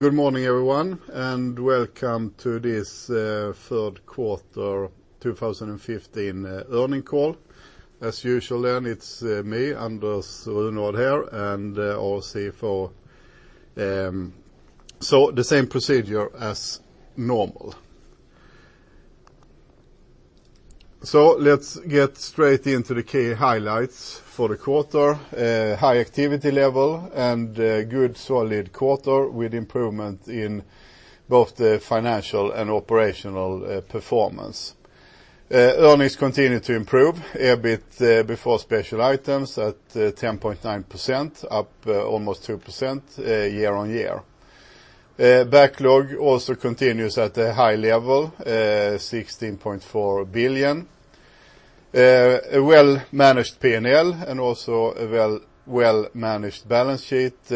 Good morning, everyone, welcome to this third quarter 2015 earning call. As usual, it's me, Anders Runevad here, and our CFO. The same procedure as normal. Let's get straight into the key highlights for the quarter. High activity level and good solid quarter with improvement in both the financial and operational performance. Earnings continue to improve, EBIT before special items at 10.9%, up almost 2% year-over-year. Backlog also continues at a high level, 16.4 billion. A well-managed P&L and also a well-managed balance sheet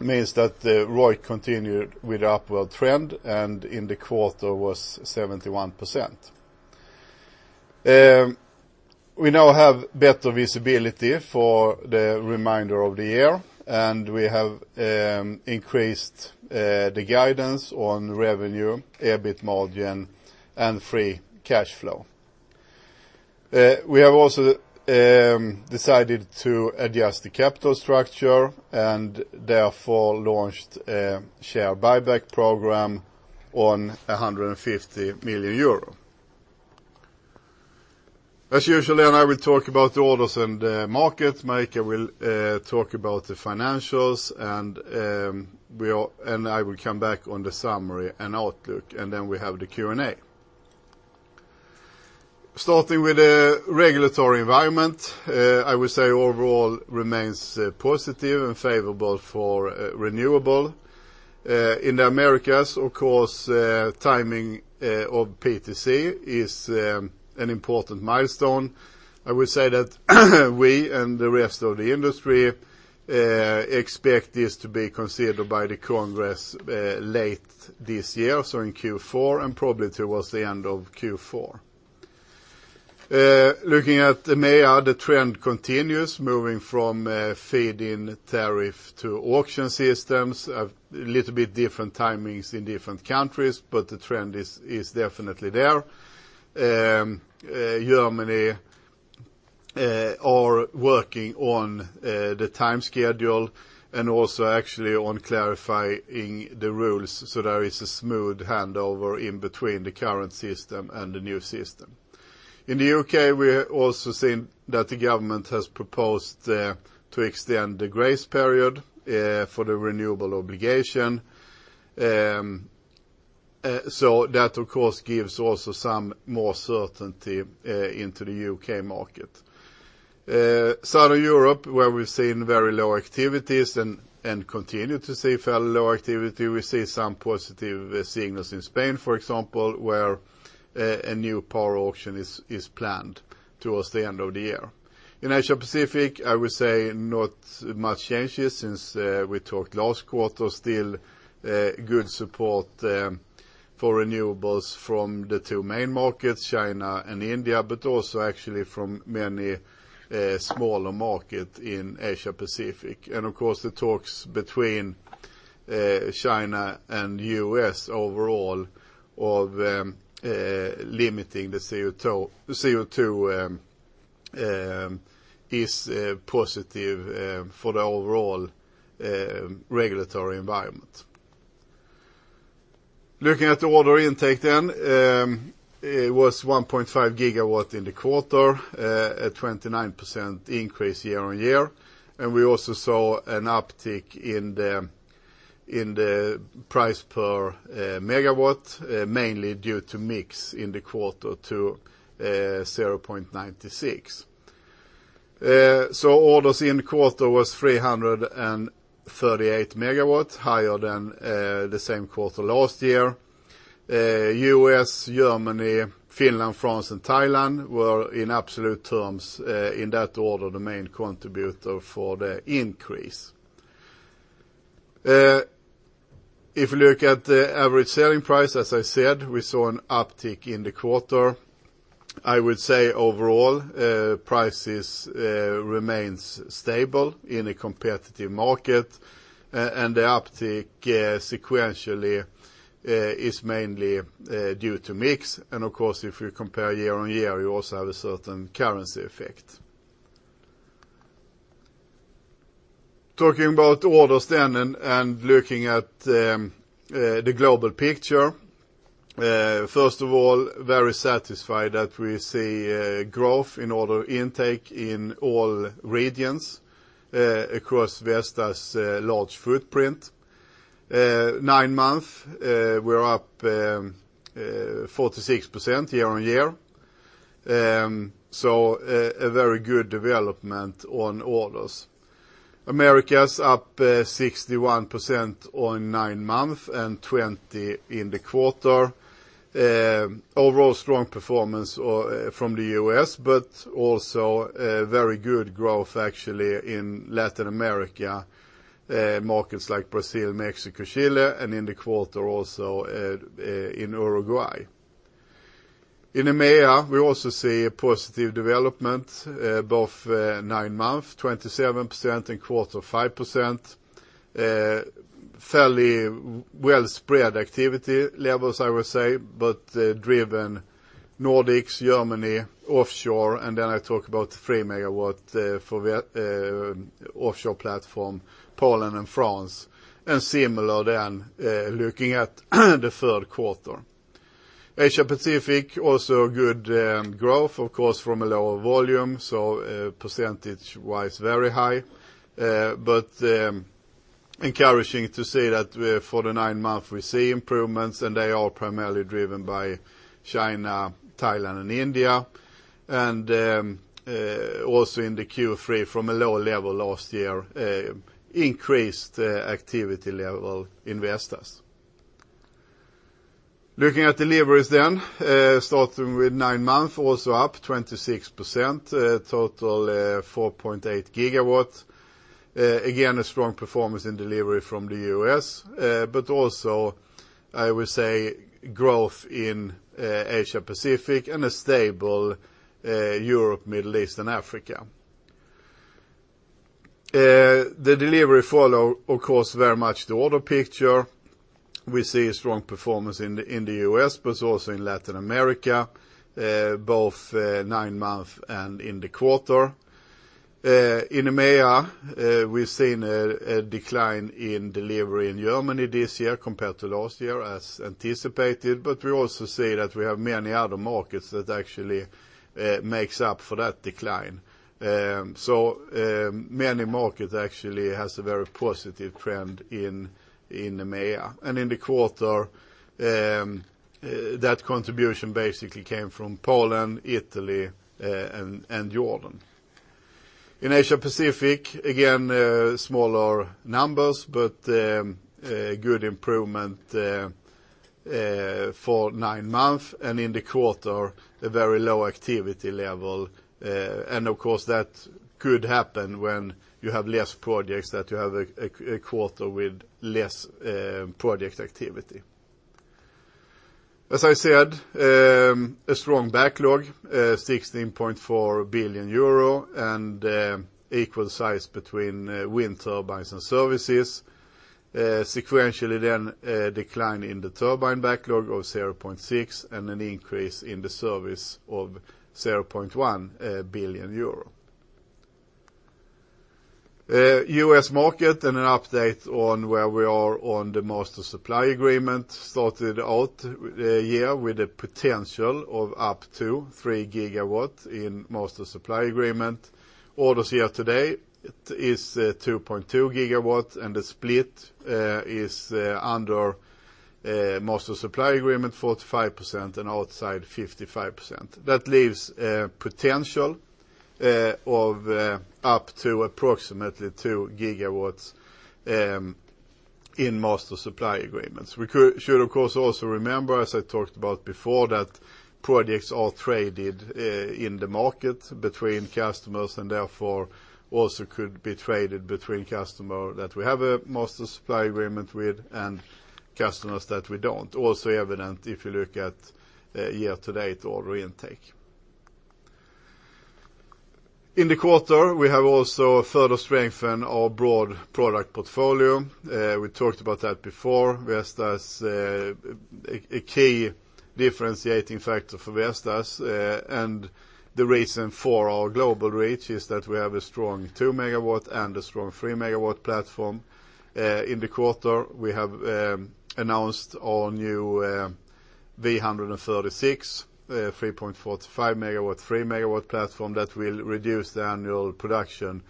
means that the ROIC continued with upward trend and in the quarter was 71%. We now have better visibility for the remainder of the year, and we have increased the guidance on revenue, EBIT margin, and free cash flow. We have also decided to adjust the capital structure and therefore launched a share buyback program on 150 million euro. As usual, I will talk about the orders and the markets. Marika will talk about the financials, and I will come back on the summary and outlook, we have the Q&A. Starting with the regulatory environment, I would say overall remains positive and favorable for renewable. In the Americas, of course, timing of PTC is an important milestone. I would say that we and the rest of the industry expect this to be considered by the Congress late this year, so in Q4, and probably towards the end of Q4. Looking at EMEA, the trend continues, moving from feed-in tariff to auction systems. A little bit different timings in different countries, the trend is definitely there. Germany are working on the time schedule and also actually on clarifying the rules so there is a smooth handover in between the current system and the new system. In the U.K., we're also seeing that the government has proposed to extend the grace period for the Renewables Obligation. That, of course, gives also some more certainty into the U.K. market. Southern Europe, where we've seen very low activities and continue to see fairly low activity, we see some positive signals in Spain, for example, where a new power auction is planned towards the end of the year. In Asia Pacific, I would say not much changes since we talked last quarter. Still good support for renewables from the two main markets, China and India, but also actually from many smaller market in Asia Pacific. Of course, the talks between China and U.S. overall of limiting the CO2 is positive for the overall regulatory environment. Looking at the order intake, it was 1.5 GW in the quarter, a 29% increase year-over-year. We also saw an uptick in the price per megawatt, mainly due to mix in the quarter to 0.96. Orders in the quarter was 338 MW, higher than the same quarter last year. U.S., Germany, Finland, France, and Thailand were, in absolute terms, in that order, the main contributor for the increase. If you look at the average selling price, as I said, we saw an uptick in the quarter. I would say overall, prices remains stable in a competitive market, and the uptick sequentially is mainly due to mix. Of course, if you compare year-over-year, you also have a certain currency effect. Talking about orders, looking at the global picture. First of all, very satisfied that we see growth in order intake in all regions across Vestas' large footprint. Nine months, we're up 46% year-over-year. A very good development on orders. Americas up 61% on nine months and 20% in the quarter. Overall strong performance from the U.S., but also very good growth actually in Latin America, markets like Brazil, Mexico, Chile, and in the quarter also in Uruguay. In EMEA, we also see a positive development, both nine months, 27%, and quarter 5%. Fairly well spread activity levels, I would say, but driven Nordics, Germany, offshore, and then I talk about 3-megawatt offshore platform, Poland and France, and similar looking at the third quarter. Asia Pacific, also good growth, of course, from a lower volume, so percentage-wise, very high. Encouraging to see that for the nine months we see improvements, and they are primarily driven by China, Thailand, and India. In the Q3, from a lower level last year, increased activity level in Vestas. Looking at deliveries, starting with nine months, also up 26%, a total 4.8 gigawatts. Again, a strong performance in delivery from the U.S., but also, I would say, growth in Asia Pacific and a stable Europe, Middle East, and Africa. The delivery follow, of course, very much the order picture. We see a strong performance in the U.S., but also in Latin America, both nine months and in the quarter. In EMEA, we've seen a decline in delivery in Germany this year compared to last year, as anticipated, but we also see that we have many other markets that actually makes up for that decline. Many markets actually has a very positive trend in EMEA. In the quarter, that contribution basically came from Poland, Italy, and Jordan. In Asia Pacific, again, smaller numbers, but good improvement for nine months, and in the quarter, a very low activity level. Of course, that could happen when you have less projects, that you have a quarter with less project activity. As I said, a strong backlog, 16.4 billion euro, and equal size between wind turbines and services. Sequentially, a decline in the turbine backlog of 0.6 billion and an increase in the service of 0.1 billion euro. U.S. market and an update on where we are on the Master Supply Agreement. Started out here with a potential of up to 3 gigawatts in Master Supply Agreement. Orders here today is 2.2 gigawatts, and the split is under Master Supply Agreement 45% and outside 55%. That leaves a potential of up to approximately 2 gigawatts in Master Supply Agreements. We should, of course, also remember, as I talked about before, that projects are traded in the market between customers and therefore also could be traded between customer that we have a Master Supply Agreement with and customers that we don't. Also evident if you look at year-to-date order intake. In the quarter, we have also further strengthened our broad product portfolio. We talked about that before. A key differentiating factor for Vestas, and the reason for our global reach, is that we have a strong 2-megawatt and a strong 3-megawatt platform. In the quarter, we have announced our new V136-3.45 MW/3-megawatt platform that will reduce the annual production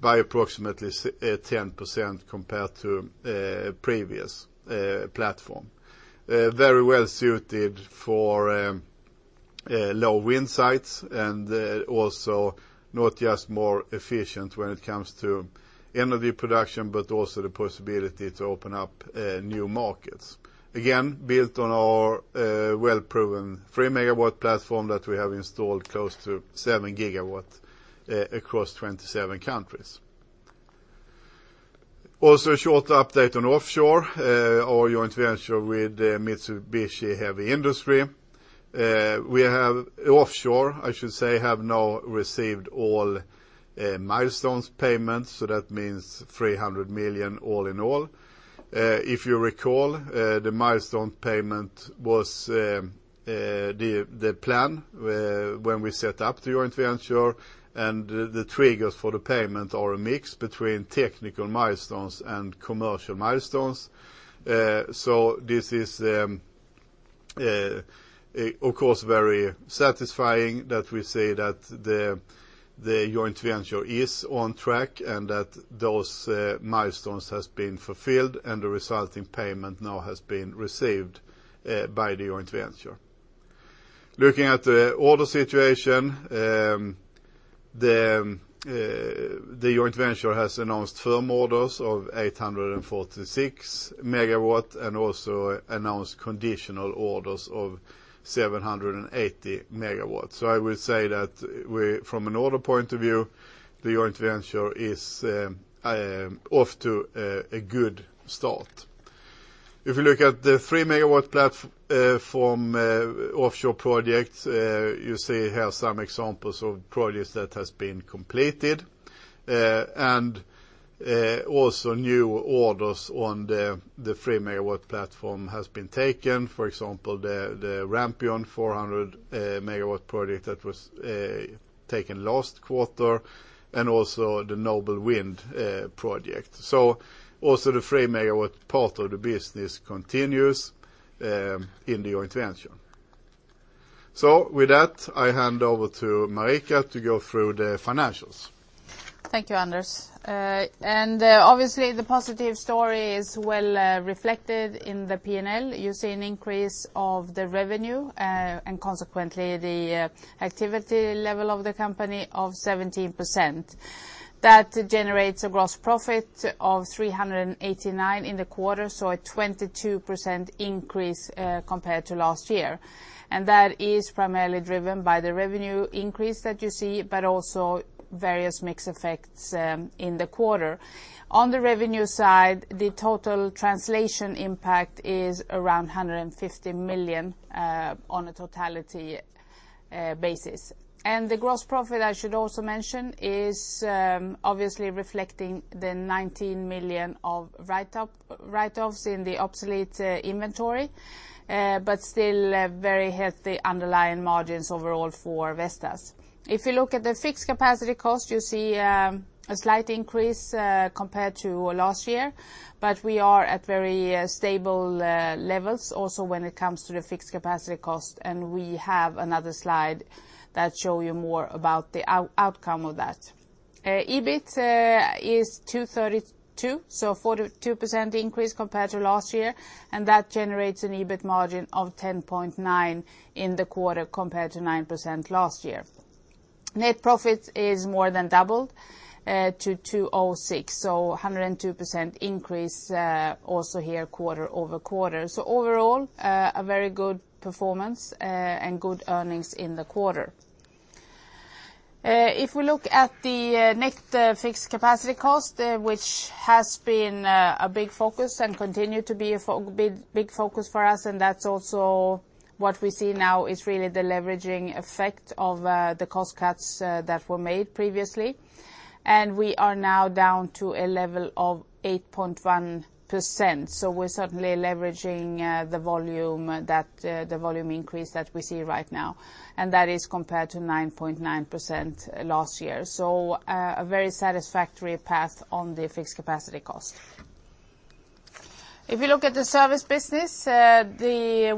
by approximately 10% compared to previous platform. Very well suited for low wind sites and also not just more efficient when it comes to energy production, but also the possibility to open up new markets. Again, built on our well-proven three-megawatt platform that we have installed close to seven gigawatts across 27 countries. A short update on offshore, our joint venture with Mitsubishi Heavy Industries. We have, offshore, I should say, have now received all milestones payments, so that means 300 million all in all. If you recall, the milestone payment was the plan when we set up the joint venture, and the triggers for the payment are a mix between technical milestones and commercial milestones. This is, of course, very satisfying that we see that the joint venture is on track and that those milestones has been fulfilled and the resulting payment now has been received by the joint venture. Looking at the order situation, the joint venture has announced firm orders of 846 megawatts and also announced conditional orders of 780 megawatts. I would say that from an order point of view, the joint venture is off to a good start. If you look at the three-megawatt platform offshore projects, you see here some examples of projects that have been completed, and also new orders on the three-megawatt platform has been taken, for example, the Rampion 400-megawatt project that was taken last quarter, and also the Nobelwind project. Also the three-megawatt part of the business continues in the intervention. With that, I hand over to Marika to go through the financials. Thank you, Anders. Obviously the positive story is well reflected in the P&L. You see an increase of the revenue, and consequently, the activity level of the company of 17%. That generates a gross profit of 389 million in the quarter, so a 22% increase, compared to last year. That is primarily driven by the revenue increase that you see, but also various mix effects in the quarter. On the revenue side, the total translation impact is around 150 million, on a totality basis. The gross profit, I should also mention, is obviously reflecting the 19 million of write-offs in the obsolete inventory, but still very healthy underlying margins overall for Vestas. If you look at the fixed capacity cost, you see a slight increase, compared to last year. We are at very stable levels also when it comes to the fixed capacity cost, and we have another slide that show you more about the outcome of that. EBIT is 232 million, so a 42% increase compared to last year, and that generates an EBIT margin of 10.9% in the quarter compared to 9% last year. Net profit is more than doubled to 206 million, so 102% increase, also here quarter-over-quarter. Overall, a very good performance, and good earnings in the quarter. If we look at the net fixed capacity cost, which has been a big focus and continue to be a big focus for us. That's also what we see now is really the leveraging effect of the cost cuts that were made previously. We are now down to a level of 8.1%, so we're certainly leveraging the volume increase that we see right now, and that is compared to 9.9% last year. A very satisfactory path on the fixed capacity cost. If you look at the service business, we're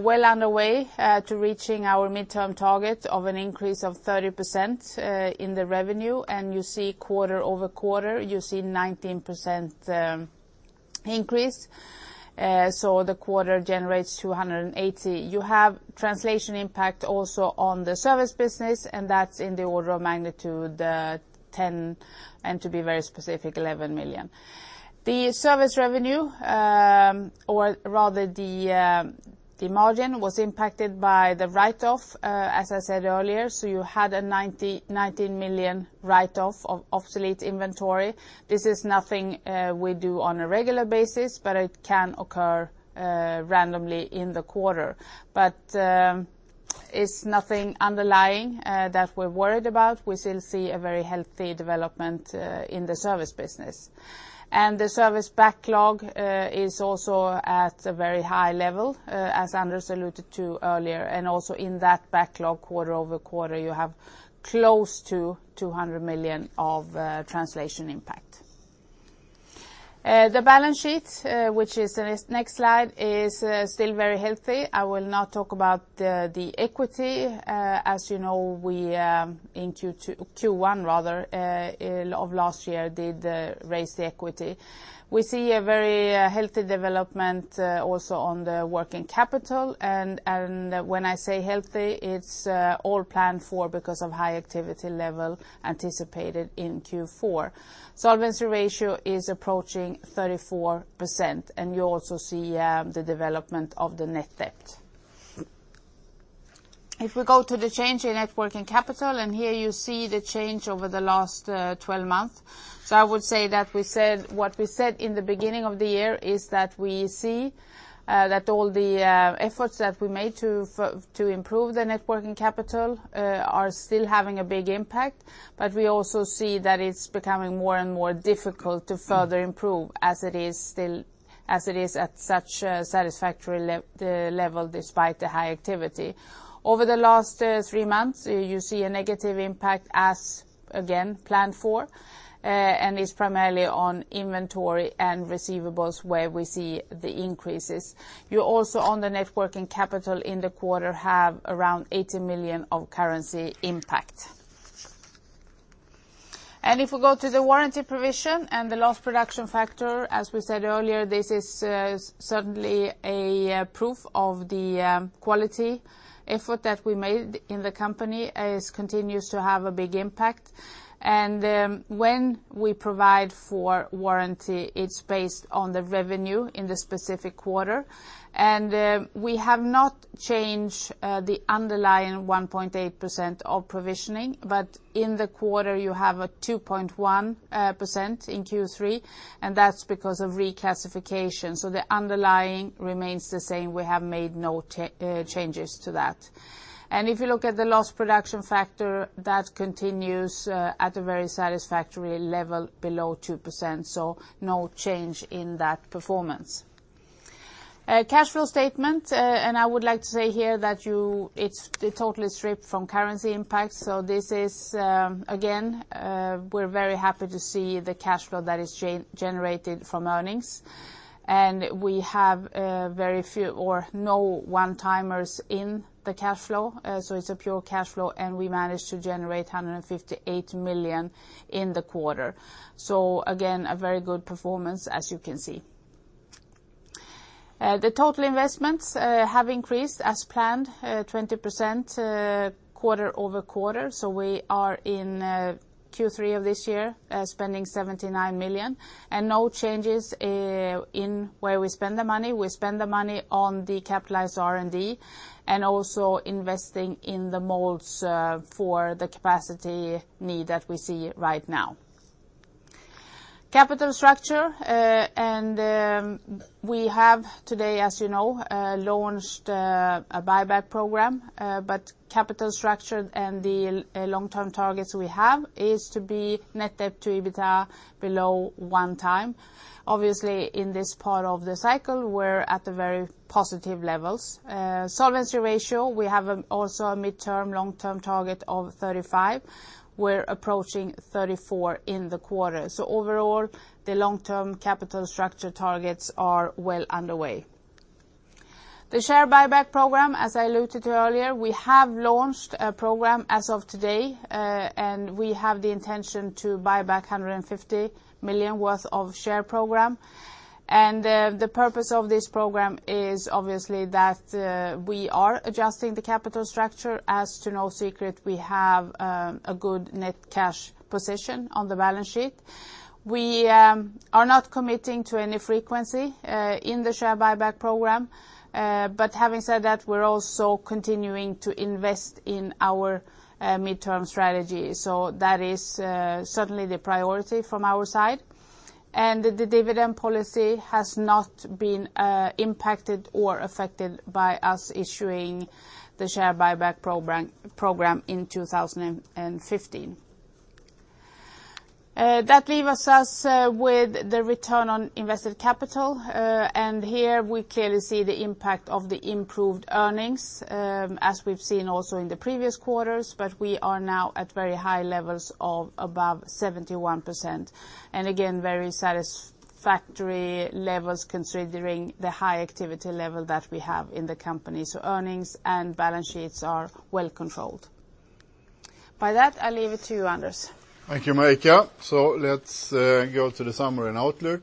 well underway to reaching our midterm target of an increase of 30% in the revenue. You see quarter-over-quarter, you see 19% increase, so the quarter generates 280 million. You have translation impact also on the service business, and that's in the order of magnitude 10 million, and to be very specific, 11 million. The service revenue, or rather the margin, was impacted by the write-off, as I said earlier, so you had a 19 million write-off of obsolete inventory. This is nothing we do on a regular basis, but it can occur randomly in the quarter. It's nothing underlying that we're worried about. We still see a very healthy development in the service business. The service backlog is also at a very high level, as Anders alluded to earlier. Also in that backlog quarter-over-quarter, you have close to 200 million of translation impact. The balance sheet, which is the next slide, is still very healthy. I will not talk about the equity. As you know, we, in Q1 rather of last year, did raise the equity. We see a very healthy development also on the working capital, and when I say healthy, it's all planned for because of high activity level anticipated in Q4. Solvency ratio is approaching 34%, and you also see the development of the net debt. If we go to the change in net working capital, and here you see the change over the last 12 months. I would say that what we said in the beginning of the year is that we see that all the efforts that we made to improve the net working capital are still having a big impact. We also see that it's becoming more and more difficult to further improve as it is at such a satisfactory level despite the high activity. Over the last three months, you see a negative impact as, again, planned for, and it's primarily on inventory and receivables where we see the increases. You also, on the net working capital in the quarter, have around 80 million of currency impact. If we go to the warranty provision and the lost production factor, as we said earlier, this is certainly a proof of the quality effort that we made in the company. It continues to have a big impact. When we provide for warranty, it's based on the revenue in the specific quarter. We have not changed the underlying 1.8% of provisioning, but in the quarter, you have a 2.1% in Q3, and that's because of reclassification. The underlying remains the same. We have made no changes to that. If you look at the lost production factor, that continues at a very satisfactory level below 2%, so no change in that performance. Cash flow statement. I would like to say here that it's totally stripped from currency impact. This is, again, we're very happy to see the cash flow that is generated from earnings. We have very few or no one-timers in the cash flow. It's a pure cash flow, and we managed to generate 158 million in the quarter. Again, a very good performance, as you can see. The total investments have increased, as planned, 20% quarter-over-quarter. We are, in Q3 of this year, spending 79 million. No changes in where we spend the money. We spend the money on the capitalized R&D, and also investing in the molds for the capacity need that we see right now. Capital structure, we have today, as you know, launched a buyback program, but capital structure and the long-term targets we have is to be net debt to EBITDA below 1 time. Obviously, in this part of the cycle, we're at the very positive levels. Solvency ratio, we have also a midterm, long-term target of 35%. We're approaching 34% in the quarter. Overall, the long-term capital structure targets are well underway. The share buyback program, as I alluded to earlier, we have launched a program as of today, and we have the intention to buy back 150 million worth of share program. The purpose of this program is obviously that we are adjusting the capital structure. As to no secret, we have a good net cash position on the balance sheet. We are not committing to any frequency in the share buyback program. Having said that, we're also continuing to invest in our midterm strategy. That is certainly the priority from our side. The dividend policy has not been impacted or affected by us issuing the share buyback program in 2015. That leaves us with the return on invested capital. Here we clearly see the impact of the improved earnings, as we've seen also in the previous quarters, but we are now at very high levels of above 71%. Again, very satisfactory levels considering the high activity level that we have in the company. Earnings and balance sheets are well controlled. By that, I leave it to you, Anders. Thank you, Marika. Let's go to the summary and outlook.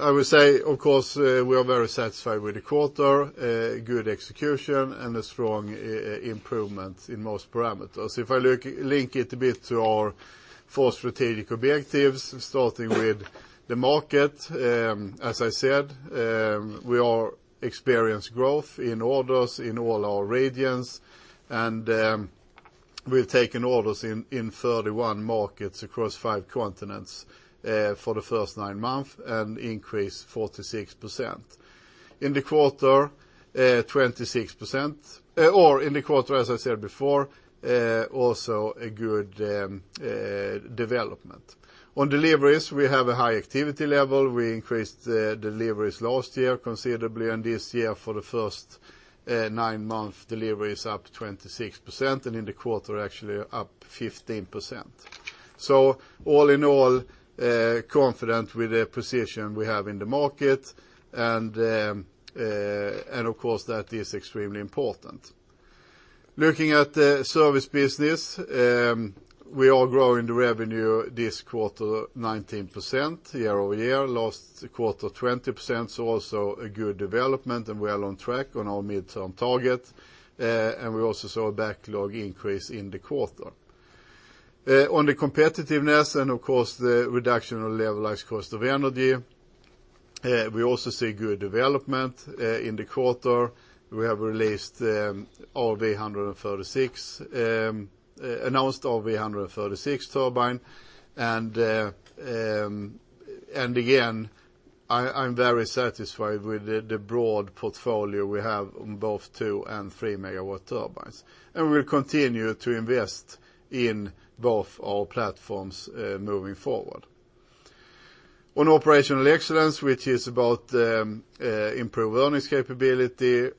I would say, of course, we are very satisfied with the quarter, good execution, and a strong improvement in most parameters. If I link it a bit to our four strategic objectives, starting with the market, as I said, we are experience growth in orders in all our regions, and we've taken orders in 31 markets across five continents for the first nine months and increased 46%. In the quarter, 26%, as I said before, also a good development. On deliveries, we have a high activity level. We increased deliveries last year considerably, and this year, for the first nine months, delivery is up 26%, and in the quarter, actually up 15%. All in all, confident with the position we have in the market, and of course, that is extremely important. Looking at the service business, we are growing the revenue this quarter 19% year-over-year, last quarter 20%, a good development, and well on track on our midterm target. We also saw a backlog increase in the quarter. On the competitiveness and of course, the reduction of levelized cost of energy, we also see good development in the quarter. We have announced the V136 turbine, and again, I am very satisfied with the broad portfolio we have on both two and three-megawatt turbines. We will continue to invest in both our platforms moving forward. On operational excellence, which is about improved earnings capability,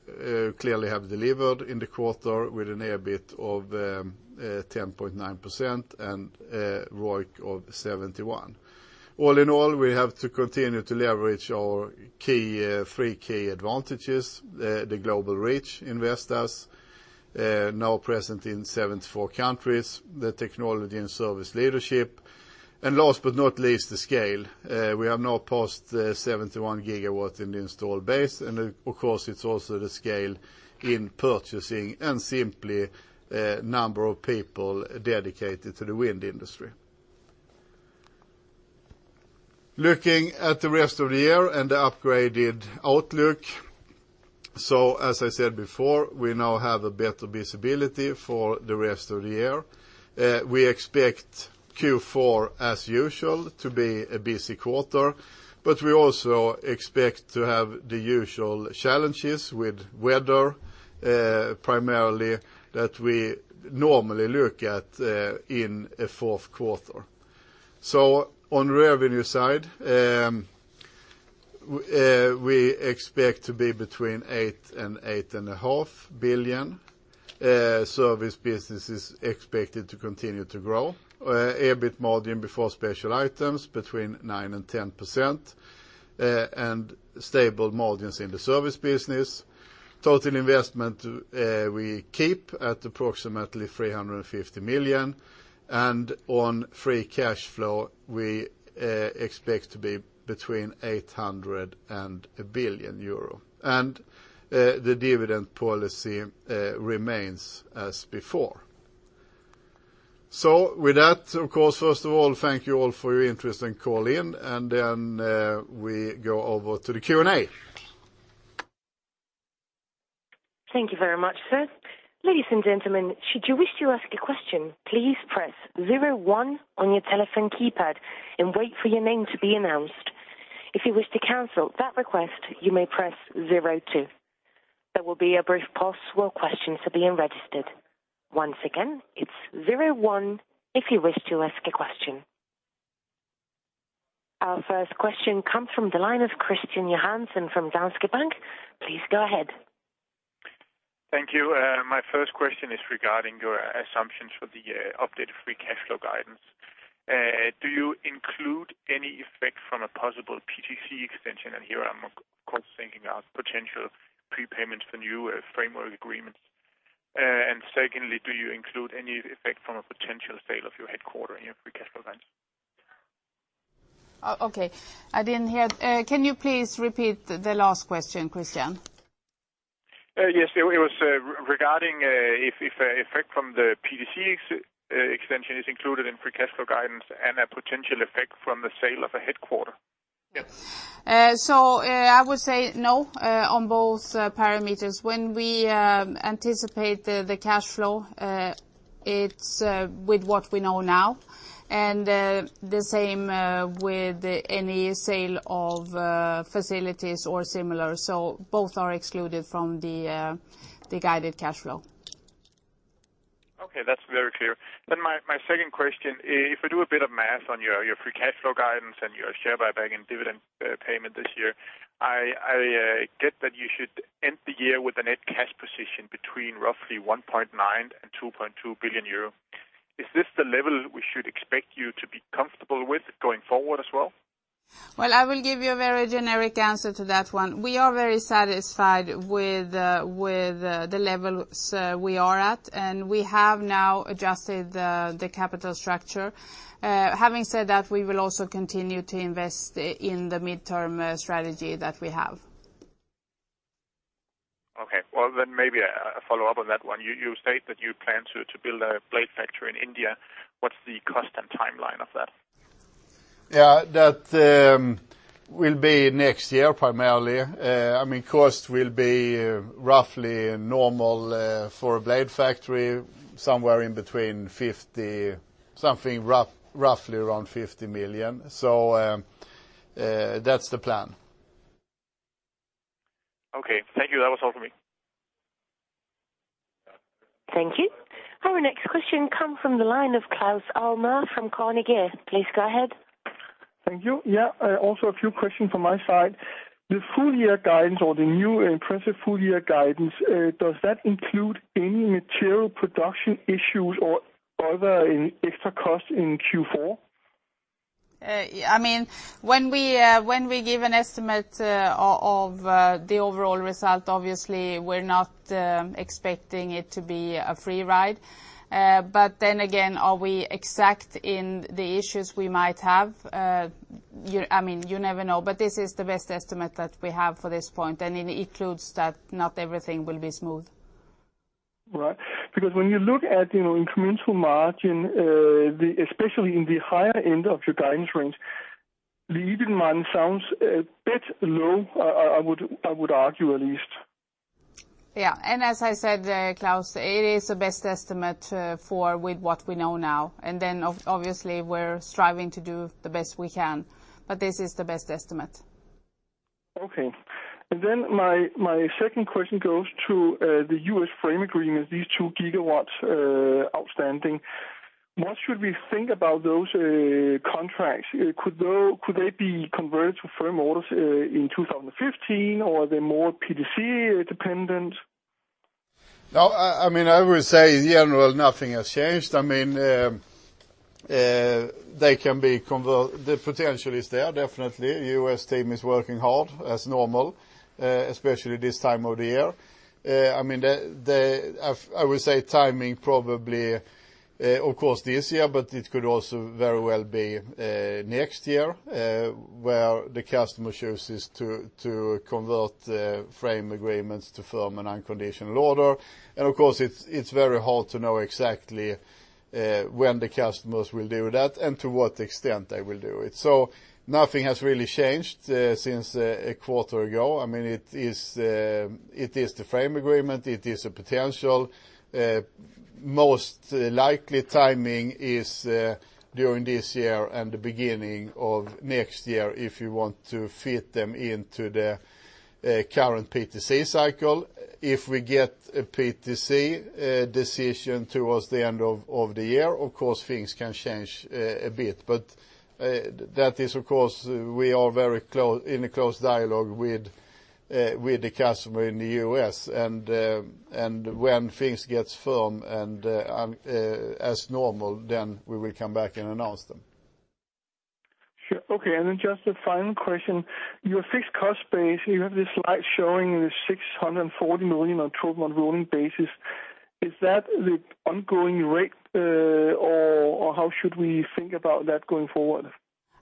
clearly have delivered in the quarter with an EBIT of 10.9% and ROIC of 71%. All in all, we have to continue to leverage our three key advantages, the global reach in Vestas, now present in 74 countries, the technology and service leadership, and last but not least, the scale. We have now passed 71 gigawatts in the installed base, and of course, it is also the scale in purchasing and simply number of people dedicated to the wind industry. Looking at the rest of the year and the upgraded outlook, as I said before, we now have a better visibility for the rest of the year. We expect Q4, as usual, to be a busy quarter, but we also expect to have the usual challenges with weather, primarily that we normally look at in a fourth quarter. On the revenue side, we expect to be between 8 billion and 8.5 billion. Service business is expected to continue to grow. EBIT margin before special items, between 9% and 10%, and stable margins in the service business. Total investment, we keep at approximately 350 million, and on free cash flow, we expect to be between 800 million and 1 billion euro. The dividend policy remains as before. With that, of course, first of all, thank you all for your interest and call in, and then we go over to the Q&A. Thank you very much, sir. Ladies and gentlemen, should you wish to ask a question, please press 01 on your telephone keypad and wait for your name to be announced. If you wish to cancel that request, you may press 02. There will be a brief pause while questions are being registered. Once again, it is 01 if you wish to ask a question. Our first question comes from the line of Kristian Johansen from Danske Bank. Please go ahead. Thank you. My first question is regarding your assumptions for the updated free cash flow guidance. Do you include any effect from a possible PTC extension? Here I'm, of course, thinking of potential prepayments for new framework agreements. Secondly, do you include any effect from a potential sale of your headquarters in your free cash flow guidance? Okay. I didn't hear. Can you please repeat the last question, Kristian? Yes. It was regarding if effect from the PTC extension is included in free cash flow guidance and a potential effect from the sale of a headquarters. Yes. I would say no on both parameters. When we anticipate the cash flow, it's with what we know now, and the same with any sale of facilities or similar. Both are excluded from the guided cash flow. Okay. That's very clear. My second question, if we do a bit of math on your free cash flow guidance and your share buyback and dividend payment this year, I get that you should end the year with a net cash position between roughly 1.9 and 2.2 billion euro. Is this the level we should expect you to be comfortable with going forward as well? Well, I will give you a very generic answer to that one. We are very satisfied with the levels we are at, and we have now adjusted the capital structure. Having said that, we will also continue to invest in the midterm strategy that we have. Okay. Well, maybe a follow-up on that one. You state that you plan to build a blade factory in India. What's the cost and timeline of that? Yeah, that will be next year, primarily. Cost will be roughly normal for a blade factory, somewhere in between 50, something roughly around 50 million. That's the plan. Okay. Thank you. That was all for me. Thank you. Our next question comes from the line of Claus Almer from Carnegie. Please go ahead. Thank you. Yeah. A few questions from my side. The full year guidance or the new impressive full year guidance, does that include any material production issues or other extra cost in Q4? When we give an estimate of the overall result, obviously, we're not expecting it to be a free ride. Again, are we exact in the issues we might have? You never know, this is the best estimate that we have for this point. It includes that not everything will be smooth. Right. When you look at incremental margin, especially in the higher end of your guidance range, the EBITDA sounds a bit low, I would argue, at least. Yeah. As I said, Claus, it is the best estimate for with what we know now. Obviously, we're striving to do the best we can, this is the best estimate. Okay. My second question goes to the U.S. frame agreement, these two gigawatts outstanding. What should we think about those contracts? Could they be converted to firm orders in 2015, are they more PTC-dependent? No. I would say in general, nothing has changed. They can be converted. The potential is there, definitely. U.S. team is working hard as normal, especially this time of the year. I would say timing probably, of course, this year, it could also very well be next year, where the customer chooses to convert the frame agreements to firm an unconditional order. Of course, it's very hard to know exactly when the customers will do that and to what extent they will do it. Nothing has really changed since a quarter ago. It is the frame agreement. It is a potential Most likely timing is during this year and the beginning of next year, if you want to fit them into the current PTC cycle. If we get a PTC decision towards the end of the year, of course things can change a bit. That is, of course, we are in a close dialogue with the customer in the U.S. When things get firm and as normal, we will come back and announce them. Sure. Okay, just the final question. Your fixed cost base, you have this slide showing the $640 million on 12-month rolling basis. Is that the ongoing rate, or how should we think about that going forward?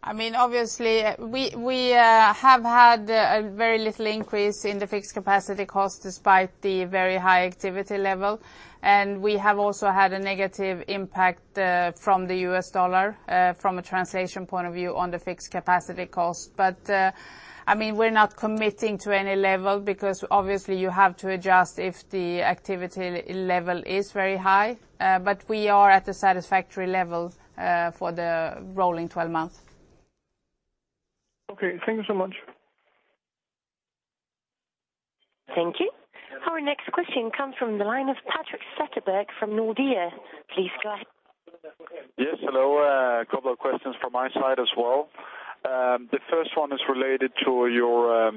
Obviously, we have had a very little increase in the fixed capacity cost despite the very high activity level. We have also had a negative impact from the U.S. dollar, from a translation point of view on the fixed capacity cost. We're not committing to any level because obviously you have to adjust if the activity level is very high. We are at a satisfactory level for the rolling 12 months. Okay. Thank you so much. Thank you. Our next question comes from the line of Patrick Zetterberg from Nordea. Please go ahead. Yes, hello. A couple of questions from my side as well. The first one is related to your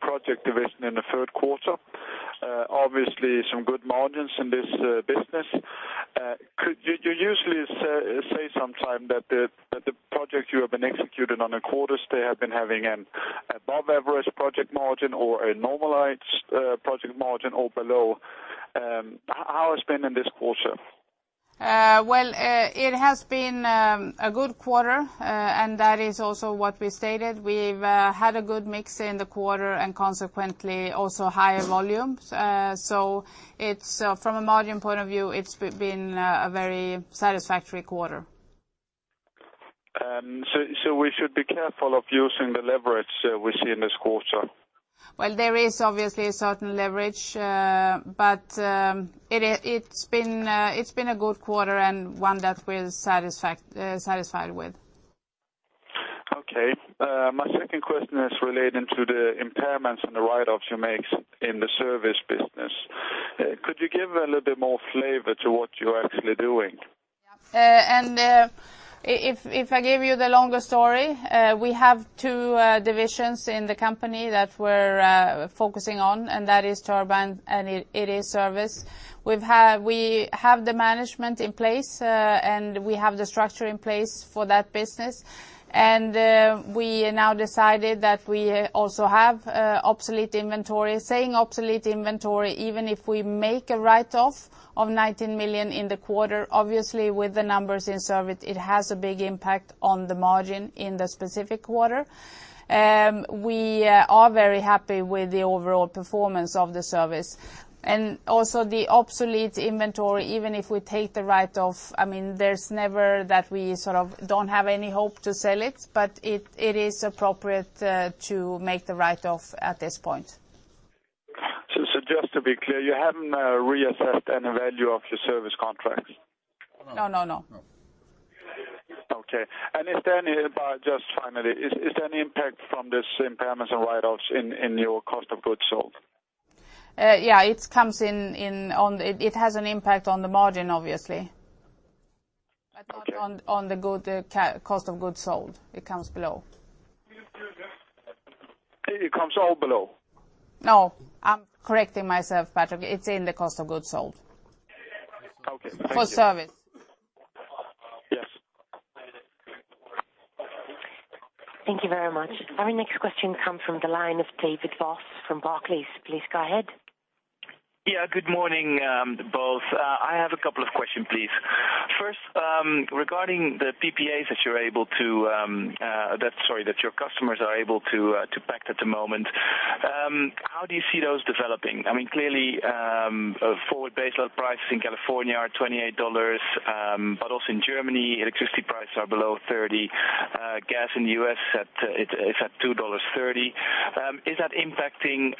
project division in the third quarter. Obviously some good margins in this business. You usually say sometime that the project you have been executing on a quarter, they have been having an above average project margin or a normalized project margin or below. How has it been in this quarter? Well, it has been a good quarter, and that is also what we stated. We've had a good mix in the quarter and consequently also higher volumes. From a margin point of view, it's been a very satisfactory quarter. We should be careful of using the leverage we see in this quarter. Well, there is obviously a certain leverage, it's been a good quarter and one that we're satisfied with. Okay. My second question is relating to the impairments and the write-offs you make in the service business. Could you give a little bit more flavor to what you're actually doing? If I give you the longer story, we have two divisions in the company that we're focusing on, that is turbine and it is service. We have the management in place, and we have the structure in place for that business. We now decided that we also have obsolete inventory. Saying obsolete inventory, even if we make a write-off of 19 million in the quarter, obviously with the numbers in service, it has a big impact on the margin in the specific quarter. We are very happy with the overall performance of the service. Also the obsolete inventory, even if we take the write-off, there's never that we sort of don't have any hope to sell it is appropriate to make the write-off at this point. Just to be clear, you haven't reassessed any value of your service contracts? No. No. Okay. Then here, just finally, is there an impact from this impairments and write-offs in your cost of goods sold? Yeah, it has an impact on the margin, obviously. Okay. Not on the cost of goods sold. It comes below. It comes all below? No, I'm correcting myself, Patrick. It's in the cost of goods sold. Okay. For service. Yes. Thank you very much. Our next question comes from the line of David Vos from Barclays. Please go ahead. Yeah. Good morning, both. I have a couple of questions, please. First, regarding the PPAs that your customers are able to pact at the moment, how do you see those developing? Clearly, forward base load prices in California are $28. Also in Germany, electricity prices are below 30. Gas in the U.S. is at $2.30. Is that impacting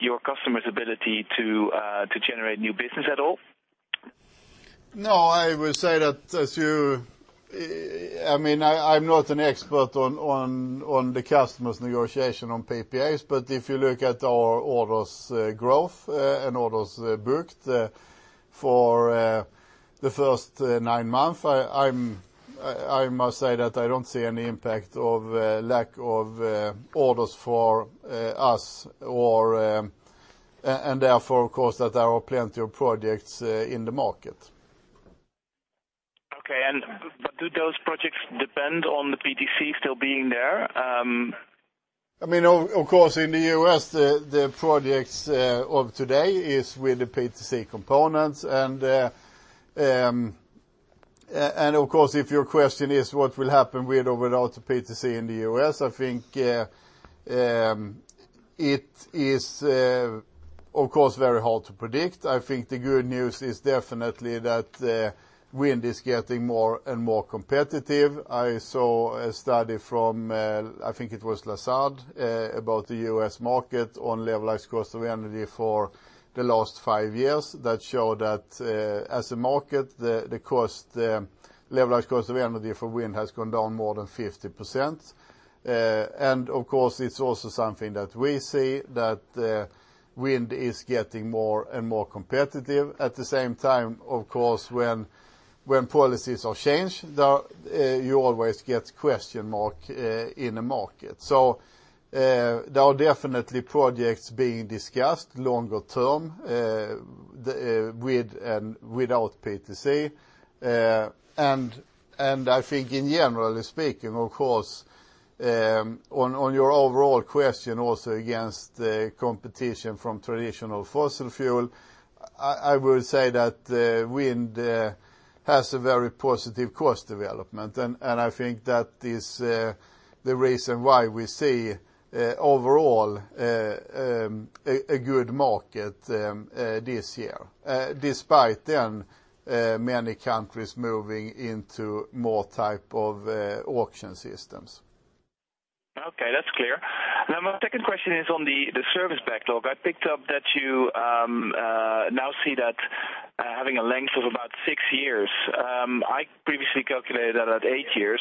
your customers' ability to generate new business at all? No, I would say that, I'm not an expert on the customers' negotiation on PPAs, but if you look at our orders growth and orders booked for the first nine months, I must say that I don't see any impact of lack of orders for us, and therefore, of course, that there are plenty of projects in the market. Do those projects depend on the PTC still being there? Of course, in the U.S., the projects of today is with the PTC components. Of course, if your question is what will happen with or without the PTC in the U.S., I think it is, of course, very hard to predict. I think the good news is definitely that wind is getting more and more competitive. I saw a study from, I think it was Lazard, about the U.S. market on levelized cost of energy for the last five years that showed that, as a market, the levelized cost of energy for wind has gone down more than 50%. Of course, it's also something that we see, that wind is getting more and more competitive. At the same time, of course, when policies are changed, you always get question mark in a market. There are definitely projects being discussed longer term, with and without PTC. I think in generally speaking, of course, on your overall question also against the competition from traditional fossil fuel, I will say that wind has a very positive cost development. I think that is the reason why we see, overall, a good market this year, despite then, many countries moving into more type of auction systems. Okay, that's clear. My second question is on the service backlog. I picked up that you now see that having a length of about six years. I previously calculated it at eight years.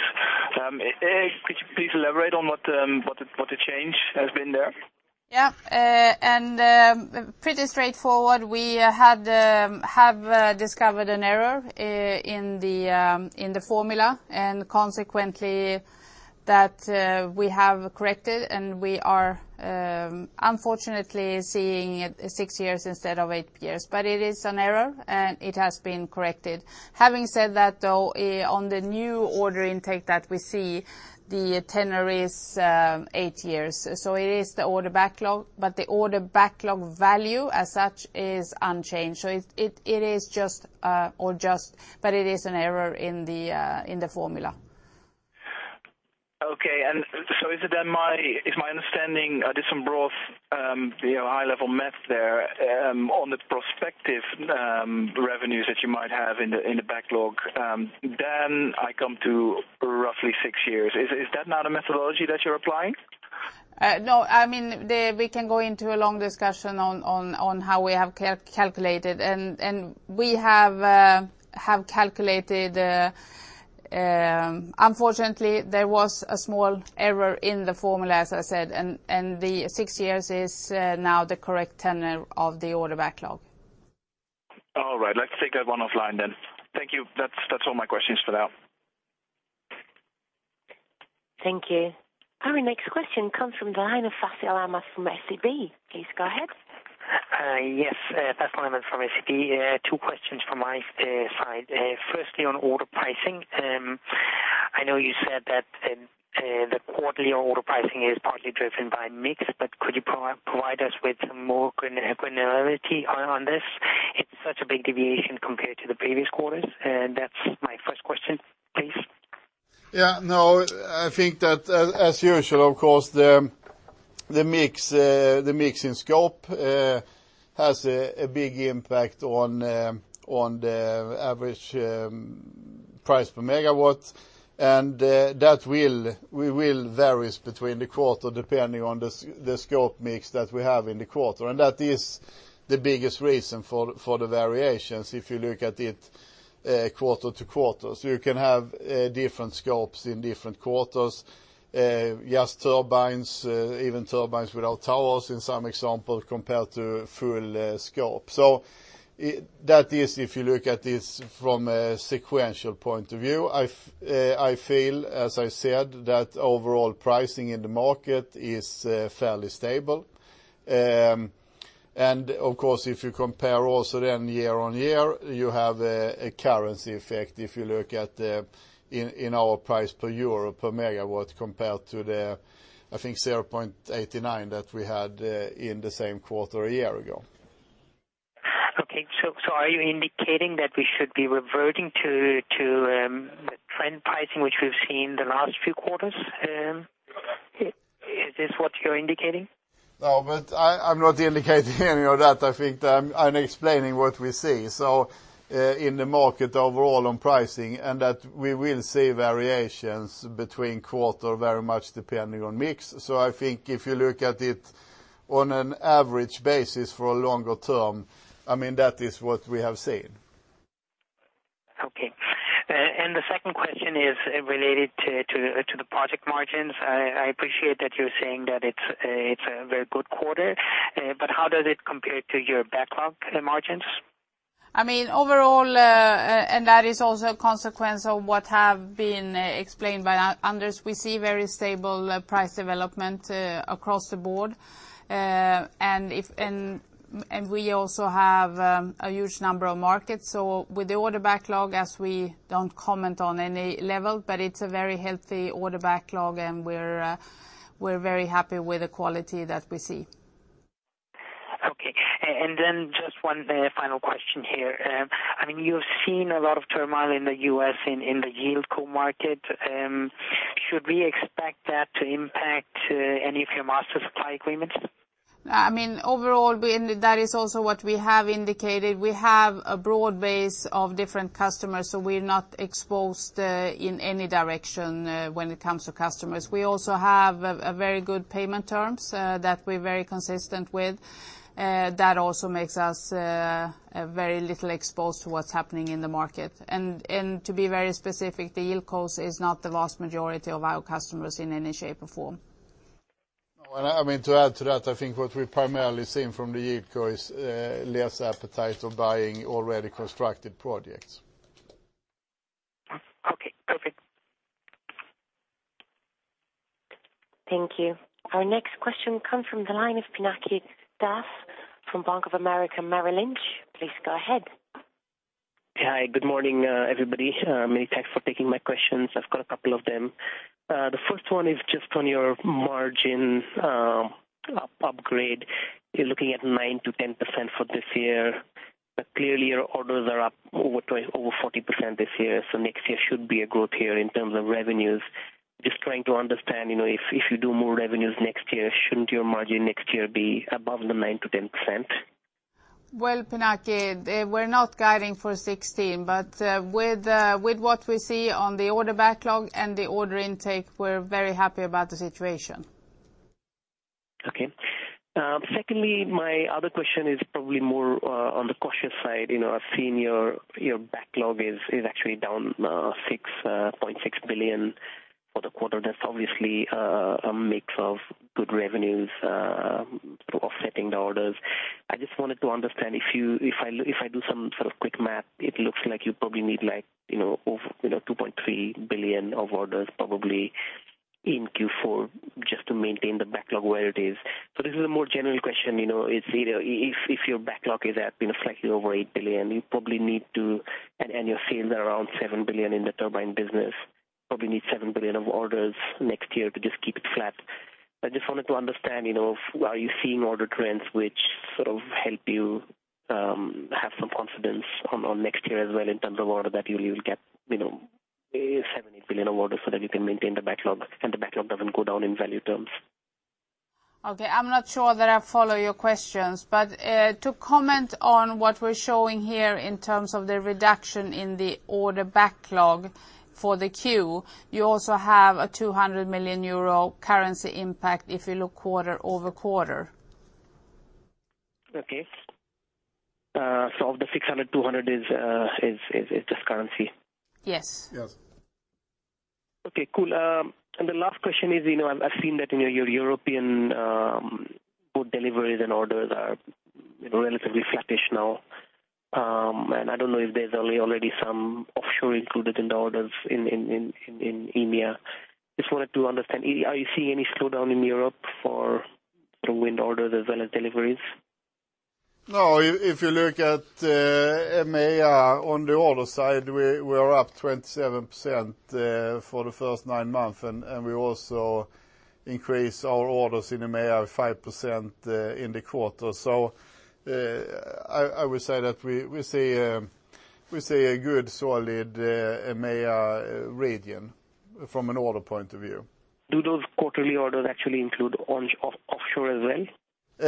Could you please elaborate on what the change has been there? Yeah. Pretty straightforward, we have discovered an error in the formula, and consequently, that we have corrected, and we are, unfortunately, seeing it six years instead of eight years. It is an error, and it has been corrected. Having said that, though, on the new order intake that we see, the tenure is eight years. It is the order backlog, but the order backlog value, as such, is unchanged. It is an error in the formula. Okay. Is my understanding, I did some broad high-level math there, on the prospective revenues that you might have in the backlog, then I come to roughly six years. Is that not a methodology that you're applying? No. We can go into a long discussion on how we have calculated. Unfortunately, there was a small error in the formula, as I said, and the six years is now the correct tenure of the order backlog. All right. Let's take that one offline then. Thank you. That's all my questions for now. Thank you. Our next question comes from the line of [Faisal Ahmed] from SEB. Please go ahead. Yes, [Faisal Ahmed] from SEB. Two questions from my side. Firstly, on order pricing, I know you said that the quarterly order pricing is partly driven by mix, but could you provide us with some more granularity on this? It's such a big deviation compared to the previous quarters, and that's my first question, please. Yeah. No, I think that as usual, of course, the mix in scope has a big impact on the average price per megawatt. That will vary between the quarter, depending on the scope mix that we have in the quarter. That is the biggest reason for the variations, if you look at it quarter-to-quarter. You can have different scopes in different quarters. Just turbines, even turbines without towers, in some example, compared to full scope. That is if you look at this from a sequential point of view. I feel, as I said, that overall pricing in the market is fairly stable. Of course, if you compare also then year-over-year, you have a currency effect, if you look at in our price per EUR per megawatt compared to the, I think, 0.89 that we had in the same quarter a year ago. Are you indicating that we should be reverting to the trend pricing, which we've seen the last few quarters? Is this what you're indicating? I'm not indicating any of that. I think I'm explaining what we see. In the market overall on pricing, and that we will see variations between quarter very much depending on mix. I think if you look at it on an average basis for a longer term, that is what we have seen. The second question is related to the project margins. I appreciate that you're saying that it's a very good quarter, how does it compare to your backlog margins? Overall, that is also a consequence of what have been explained by Anders, we see very stable price development across the board. We also have a huge number of markets. With the order backlog, as we don't comment on any level, but it's a very healthy order backlog, and we're very happy with the quality that we see Okay. Just one final question here. You've seen a lot of turmoil in the U.S. in the yieldco market. Should we expect that to impact any of your Master Supply Agreements? Overall, that is also what we have indicated. We have a broad base of different customers, so we're not exposed in any direction when it comes to customers. We also have very good payment terms that we're very consistent with. That also makes us very little exposed to what's happening in the market. To be very specific, the yieldcos is not the vast majority of our customers in any shape or form. To add to that, I think what we're primarily seeing from the yieldco is less appetite of buying already constructed projects. Okay, perfect. Thank you. Our next question comes from the line of Pinaki Das from Bank of America Merrill Lynch. Please go ahead. Hi. Good morning, everybody. Many thanks for taking my questions. I've got a couple of them. The first one is just on your margins upgrade. You're looking at 9%-10% for this year, clearly your orders are up over 40% this year, so next year should be a growth year in terms of revenues. Trying to understand, if you do more revenues next year, shouldn't your margin next year be above the 9%-10%? Pinaki, we're not guiding for 2016, with what we see on the order backlog and the order intake, we're very happy about the situation. Okay. Secondly, my other question is probably more on the cautious side. I've seen your backlog is actually down 6.6 billion for the quarter. That's obviously a mix of good revenues offsetting the orders. I just wanted to understand if I do some sort of quick math, it looks like you probably need over 2.3 billion of orders probably in Q4 just to maintain the backlog where it is. This is a more general question. If your backlog is at slightly over 8 billion, you probably need to, and your sales are around 7 billion in the turbine business, probably need 7 billion of orders next year to just keep it flat. I just wanted to understand, are you seeing order trends which sort of help you have some confidence on next year as well in terms of order that you will get 7 billion, 8 billion of orders so that you can maintain the backlog and the backlog doesn't go down in value terms? Okay. I'm not sure that I follow your questions. To comment on what we're showing here in terms of the reduction in the order backlog for the Q, you also have a 200 million euro currency impact if you look quarter-over-quarter. Okay. Of the 600 million, 200 million is just currency. Yes. Yes. Okay, cool. The last question is, I've seen that in your European port deliveries and orders are relatively flattish now. I don't know if there's already some offshore included in the orders in EMEA. Just wanted to understand, are you seeing any slowdown in Europe for wind orders as well as deliveries? No, if you look at EMEA on the order side, we are up 27% for the first nine months, we also increased our orders in EMEA 5% in the quarter. I would say that we see a good solid EMEA region from an order point of view. Do those quarterly orders actually include offshore as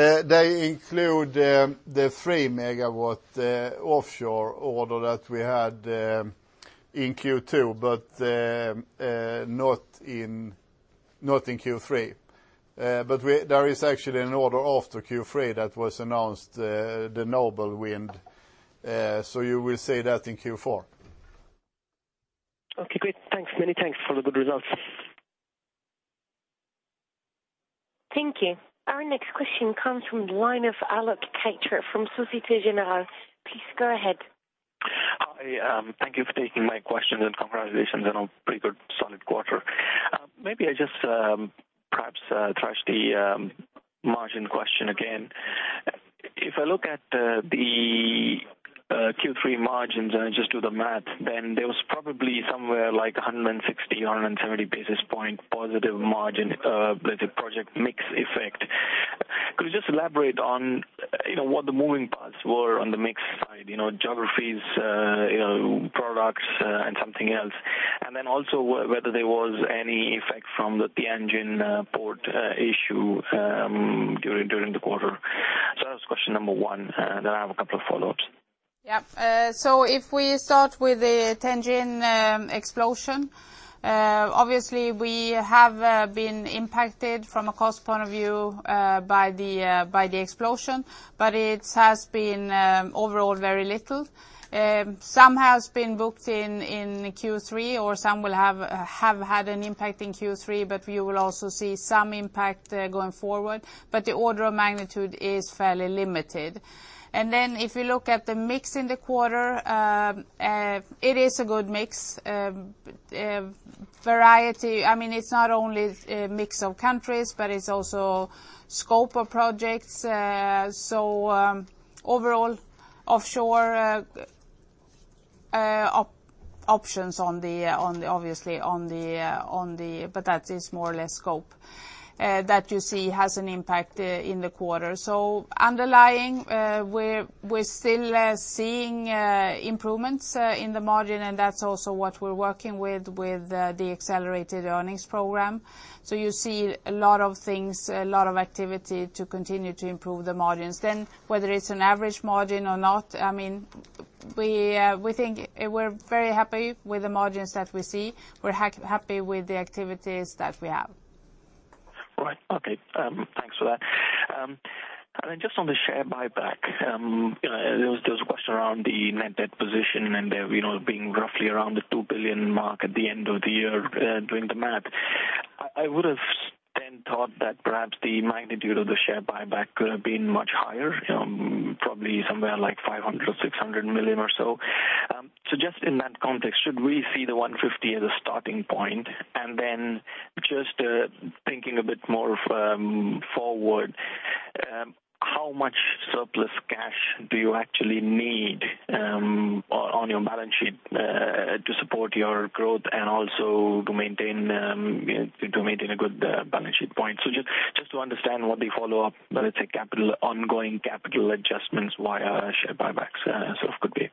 well? They include the 3 MW offshore order that we had in Q2, but not in Q3. There is actually an order after Q3 that was announced, the Nobelwind, you will see that in Q4. Okay, great. Thanks. Many thanks for the good results. Thank you. Our next question comes from the line of Alok Katre from Societe Generale. Please go ahead. Hi, thank you for taking my questions and congratulations on a pretty good, solid quarter. Maybe I just perhaps thrash the margin question again. If I look at the Q3 margins and just do the math, there was probably somewhere like 160, 170 basis point positive margin with the project mix effect. Could you just elaborate on what the moving parts were on the mix side? Geographies, products, and something else. Also whether there was any effect from the Tianjin port issue during the quarter. That was question number 1, then I have a couple of follow-ups. If we start with the Tianjin explosion, obviously we have been impacted from a cost point of view by the explosion, but it has been overall very little. Some has been booked in Q3, or some will have had an impact in Q3, but we will also see some impact going forward, but the order of magnitude is fairly limited. If you look at the mix in the quarter, it is a good mix. I mean, it's not only a mix of countries, but it's also scope of projects. Overall, offshore projects, obviously, but that is more or less scope that you see has an impact in the quarter. Underlying, we're still seeing improvements in the margin, and that's also what we're working with the accelerated earnings program. You see a lot of things, a lot of activity to continue to improve the margins. Whether it is an average margin or not, we are very happy with the margins that we see. We are happy with the activities that we have. Right. Okay. Thanks for that. Just on the share buyback, there was this question around the net debt position and being roughly around the 2 billion mark at the end of the year, doing the math. I would have thought that perhaps the magnitude of the share buyback could have been much higher, probably somewhere like 500 million-600 million or so. Just in that context, should we see the 150 million as a starting point? Just thinking a bit more forward, how much surplus cash do you actually need on your balance sheet to support your growth and also to maintain a good balance sheet point? Just to understand what the follow-up, whether it is ongoing capital adjustments via share buybacks could be.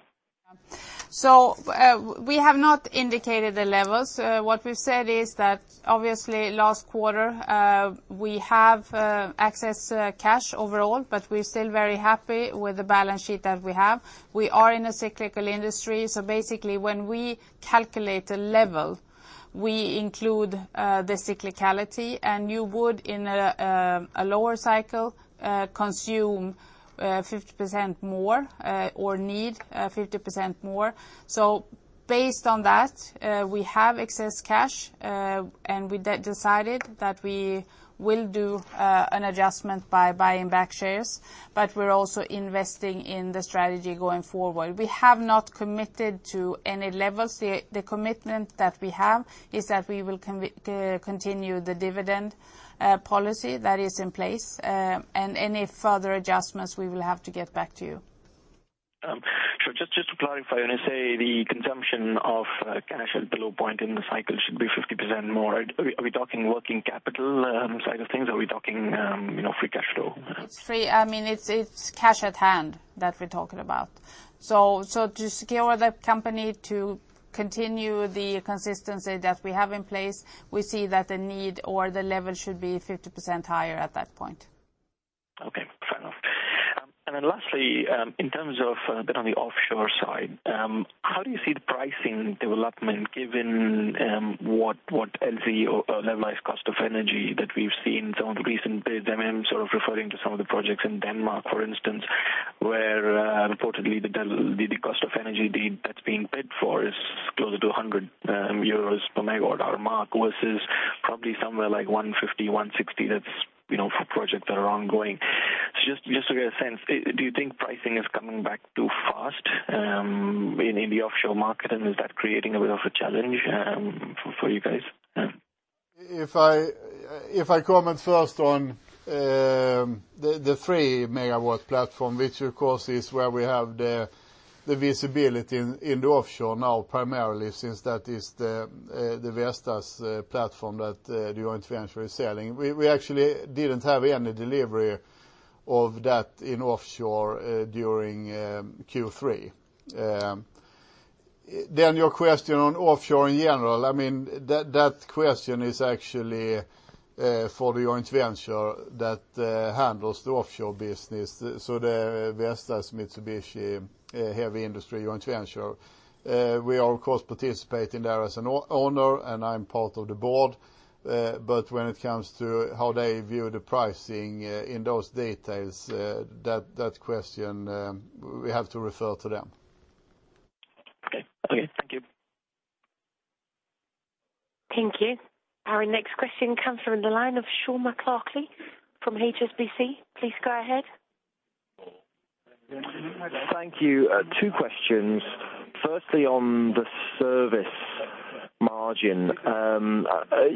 We have not indicated the levels. What we have said is that obviously last quarter, we have access to cash overall, but we are still very happy with the balance sheet that we have. We are in a cyclical industry, so basically when we calculate a level, we include the cyclicality, and you would in a lower cycle consume 50% more or need 50% more. Based on that, we have excess cash, and we decided that we will do an adjustment by buying back shares, but we are also investing in the strategy going forward. We have not committed to any levels. The commitment that we have is that we will continue the dividend policy that is in place, and any further adjustments, we will have to get back to you. Sure. Just to clarify, when I say the consumption of cash at the low point in the cycle should be 50% more, are we talking working capital side of things? Are we talking free cash flow? It's cash at hand that we're talking about. To secure the company to continue the consistency that we have in place, we see that the need or the level should be 50% higher at that point. Okay. Fair enough. Lastly, in terms of a bit on the offshore side, how do you see the pricing development given what LCOE or levelized cost of energy that we've seen from the recent bids? I'm sort of referring to some of the projects in Denmark, for instance, where reportedly the cost of energy that's being bid for is closer to 100 euros per megawatt hour mark versus probably somewhere like 150, 160 that's for projects that are ongoing. Just to get a sense, do you think pricing is coming back too fast in the offshore market, and is that creating a bit of a challenge for you guys? If I comment first on the 3 megawatt platform, which of course is where we have the visibility in the offshore now primarily since that is Vestas platform that the joint venture is selling. We actually didn't have any delivery of that in offshore during Q3. Your question on offshore in general, that question is actually for the joint venture that handles the offshore business. The Vestas Mitsubishi Heavy Industries joint venture. We are, of course, participating there as an owner, and I'm part of the board. When it comes to how they view the pricing in those details, that question, we have to refer to them. Okay. Thank you. Thank you. Our next question comes from the line of Sean McLoughlin from HSBC. Please go ahead. Thank you. Two questions. Firstly, on the service margin.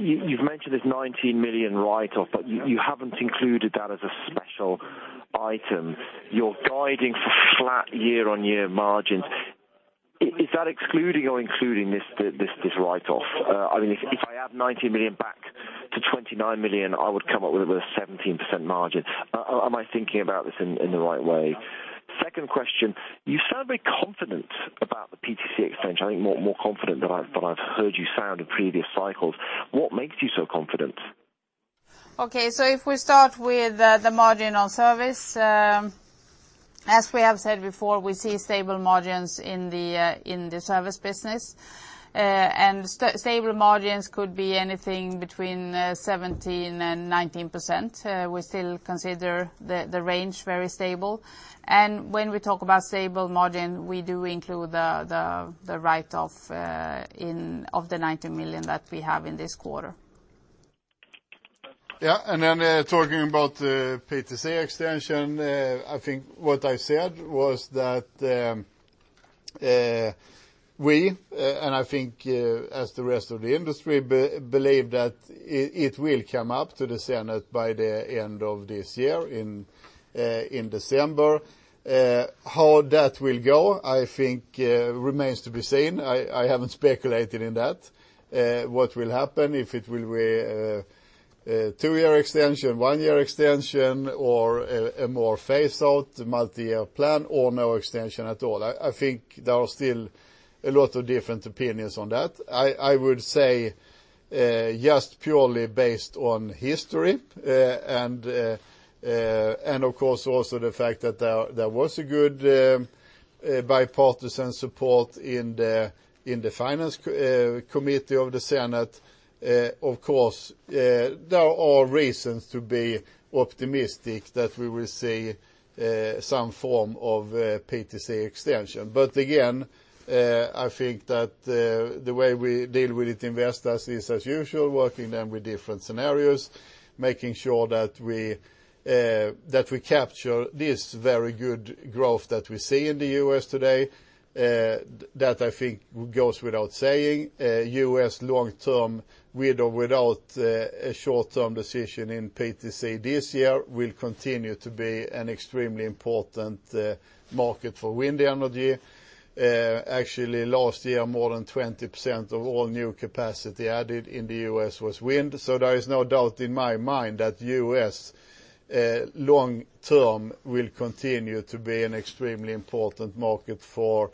You've mentioned this 19 million write-off, but you haven't included that as a special item. You're guiding for flat year-on-year margins. Is that excluding or including this write-off? If I add 19 million back to 29 million, I would come up with a 17% margin. Am I thinking about this in the right way? Second question, you sound very confident about the PTC extension. I think more confident than I've heard you sound in previous cycles. What makes you so confident? If we start with the margin on service, as we have said before, we see stable margins in the service business. Stable margins could be anything between 17% and 19%. We still consider the range very stable. When we talk about stable margin, we do include the write-off of the 19 million that we have in this quarter. Then talking about the PTC extension, I think what I said was that we, and I think as the rest of the industry, believe that it will come up to the Senate by the end of this year in December. How that will go, I think, remains to be seen. I haven't speculated in that, what will happen, if it will be a two-year extension, one-year extension or a more phased-out multi-year plan or no extension at all. I think there are still a lot of different opinions on that. I would say, just purely based on history, and of course, also the fact that there was a good bipartisan support in the finance committee of the Senate. Of course, there are reasons to be optimistic that we will see some form of PTC extension. I think that the way we deal with it in Vestas is as usual, working then with different scenarios, making sure that we capture this very good growth that we see in the U.S. today. That I think goes without saying. U.S. long term, with or without a short-term decision in PTC this year, will continue to be an extremely important market for wind energy. Actually, last year, more than 20% of all new capacity added in the U.S. was wind. There is no doubt in my mind that U.S. long term will continue to be an extremely important market for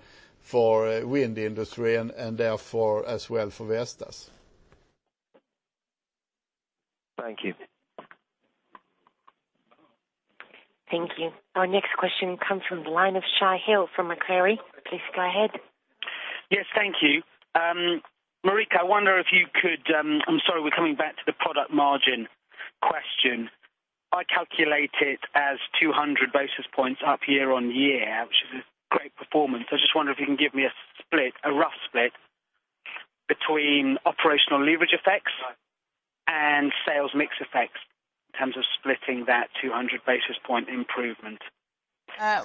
wind industry and therefore as well for Vestas. Thank you. Thank you. Our next question comes from the line of Shai Hill from Macquarie. Please go ahead. Thank you. Marika, I wonder if you could, I'm sorry, we're coming back to the product margin question. I calculate it as 200 basis points up year-over-year, which is a great performance. I just wonder if you can give me a rough split between operational leverage effects and sales mix effects in terms of splitting that 200 basis point improvement.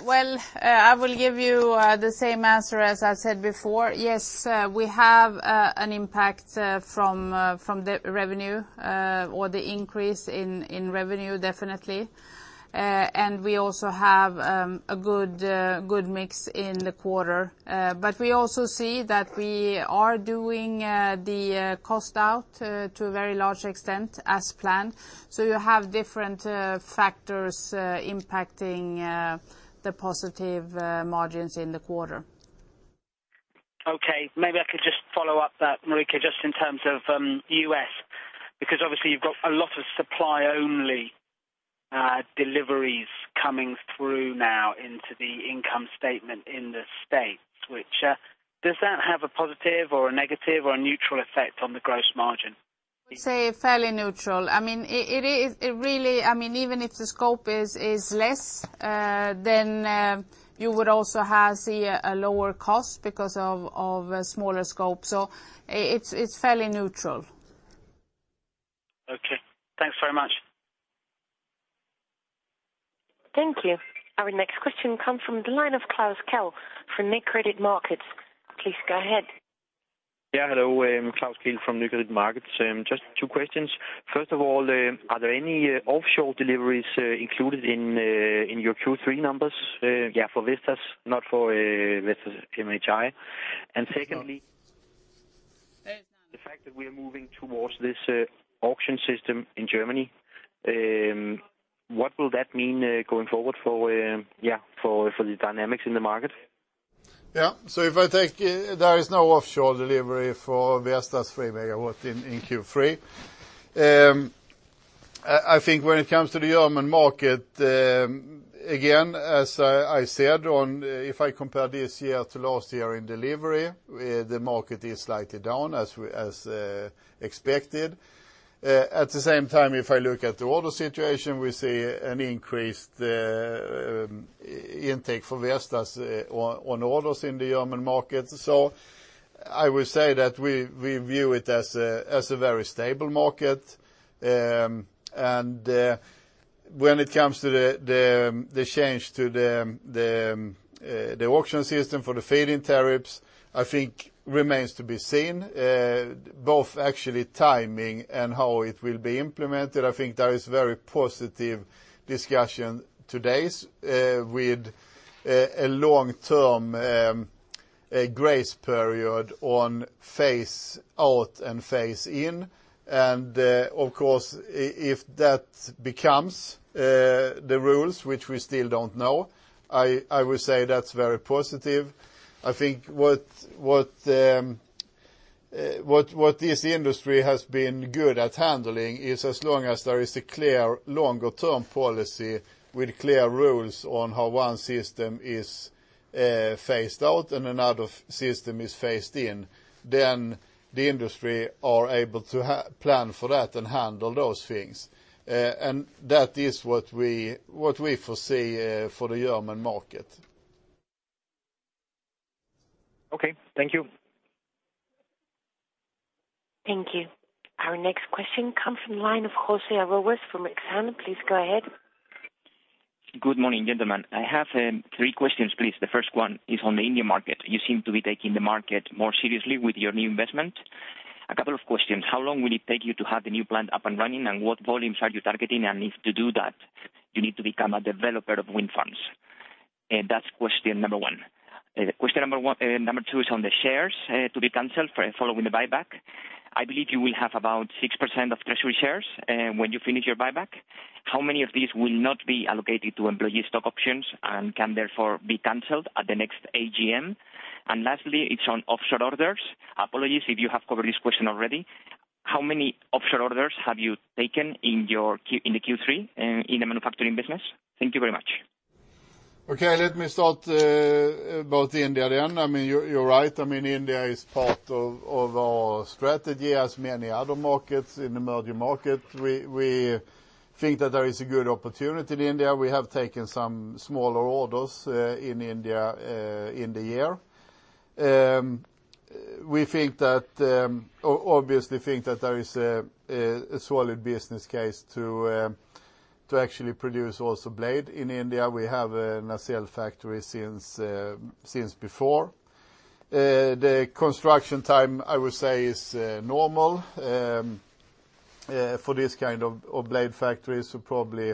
Well, I will give you the same answer as I said before. Yes, we have an impact from the revenue or the increase in revenue, definitely. We also have a good mix in the quarter. We also see that we are doing the cost out to a very large extent as planned. You have different factors impacting the positive margins in the quarter. Okay, maybe I could just follow up that, Marika, just in terms of U.S., because obviously you've got a lot of supply only deliveries coming through now into the income statement in the States, which, does that have a positive or a negative or a neutral effect on the gross margin? Say fairly neutral. Even if the scope is less, you would also have, say, a lower cost because of a smaller scope. It's fairly neutral. Okay, thanks very much. Thank you. Our next question comes from the line of Klaus Kehl from Nykredit Markets. Please go ahead. Hello, Klaus Kehl from New Credit Markets. Just two questions. First of all, are there any offshore deliveries included in your Q3 numbers? For Vestas, not for Vestas HI. No Secondly, the fact that we are moving towards this auction system in Germany, what will that mean going forward for the dynamics in the market? There is no offshore delivery for Vestas three megawatt in Q3. I think when it comes to the German market, again, as I said, if I compare this year to last year in delivery, the market is slightly down as expected. At the same time, if I look at the order situation, we see an increased intake for Vestas on orders in the German market. I would say that we view it as a very stable market. When it comes to the change to the auction system for the feed-in tariffs, I think remains to be seen, both actually timing and how it will be implemented. I think there is very positive discussion today with a long-term grace period on phase out and phase in. Of course, if that becomes the rules, which we still don't know, I would say that's very positive. I think what this industry has been good at handling is as long as there is a clear longer-term policy with clear rules on how one system is phased out and another system is phased in, then the industry are able to plan for that and handle those things. That is what we foresee for the German market. Okay, thank you. Thank you. Our next question comes from the line of Jose Arroyas from Exane. Please go ahead. Good morning, gentlemen. I have three questions, please. The first one is on the Indian market. You seem to be taking the market more seriously with your new investment. A couple of questions. How long will it take you to have the new plant up and running, and what volumes are you targeting? If to do that, you need to become a developer of wind farms. That's question number 1. Question number 2 is on the shares to be canceled following the buyback. I believe you will have about 6% of treasury shares when you finish your buyback. How many of these will not be allocated to employee stock options and can therefore be canceled at the next AGM? Lastly, it's on offshore orders. Apologies if you have covered this question already. How many offshore orders have you taken in the Q3 in the manufacturing business? Thank you very much. Okay. Let me start about India then. You are right, India is part of our strategy, as many other markets in the emerging market. We think that there is a good opportunity in India. We have taken some smaller orders in India in the year. Obviously think that there is a solid business case to actually produce also blade in India. We have a nacelle factory since before. The construction time, I would say, is normal for this kind of blade factory, so probably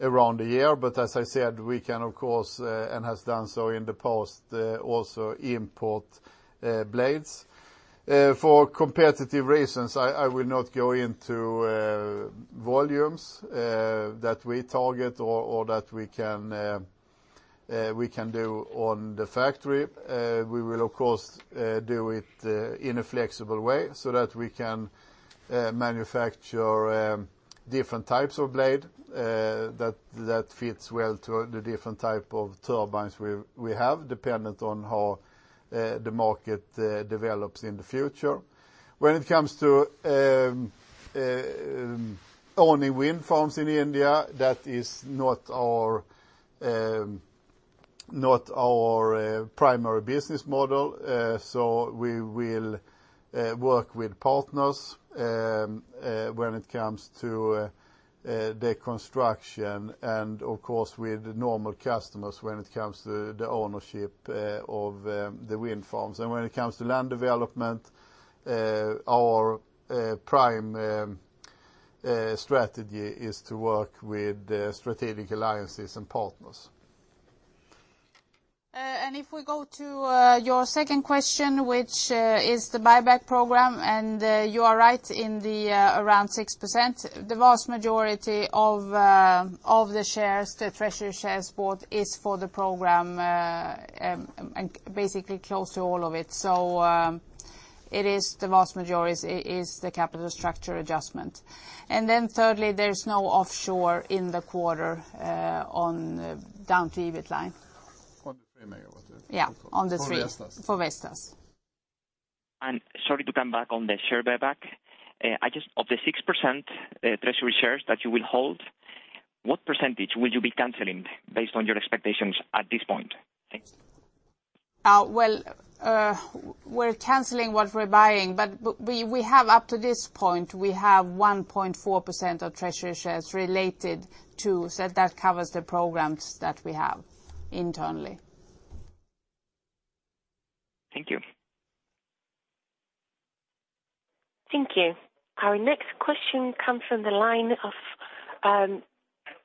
around a year. As I said, we can, of course, and have done so in the past, also import blades. For competitive reasons, I will not go into volumes that we target or that we can do on the factory. We will, of course, do it in a flexible way so that we can manufacture different types of blade that fits well to the different type of turbines we have, dependent on how the market develops in the future. When it comes to owning wind farms in India, that is not our primary business model. We will work with partners when it comes to the construction and, of course, with normal customers when it comes to the ownership of the wind farms. When it comes to land development, our prime strategy is to work with strategic alliances and partners. If we go to your second question, which is the buyback program, and you are right in the around 6%. The vast majority of the treasury shares bought is for the program, basically close to all of it. The vast majority is the capital structure adjustment. Thirdly, there is no offshore in the quarter on down to EBIT line. On the three megawatt. Yeah, on the three. For Vestas. For Vestas. Sorry to come back on the share buyback. Of the 6% treasury shares that you will hold, what percentage will you be canceling based on your expectations at this point? Thanks. We're canceling what we're buying, but up to this point, we have 1.4% of treasury shares related to, so that covers the programs that we have internally. Thank you. Thank you. Our next question comes from the line of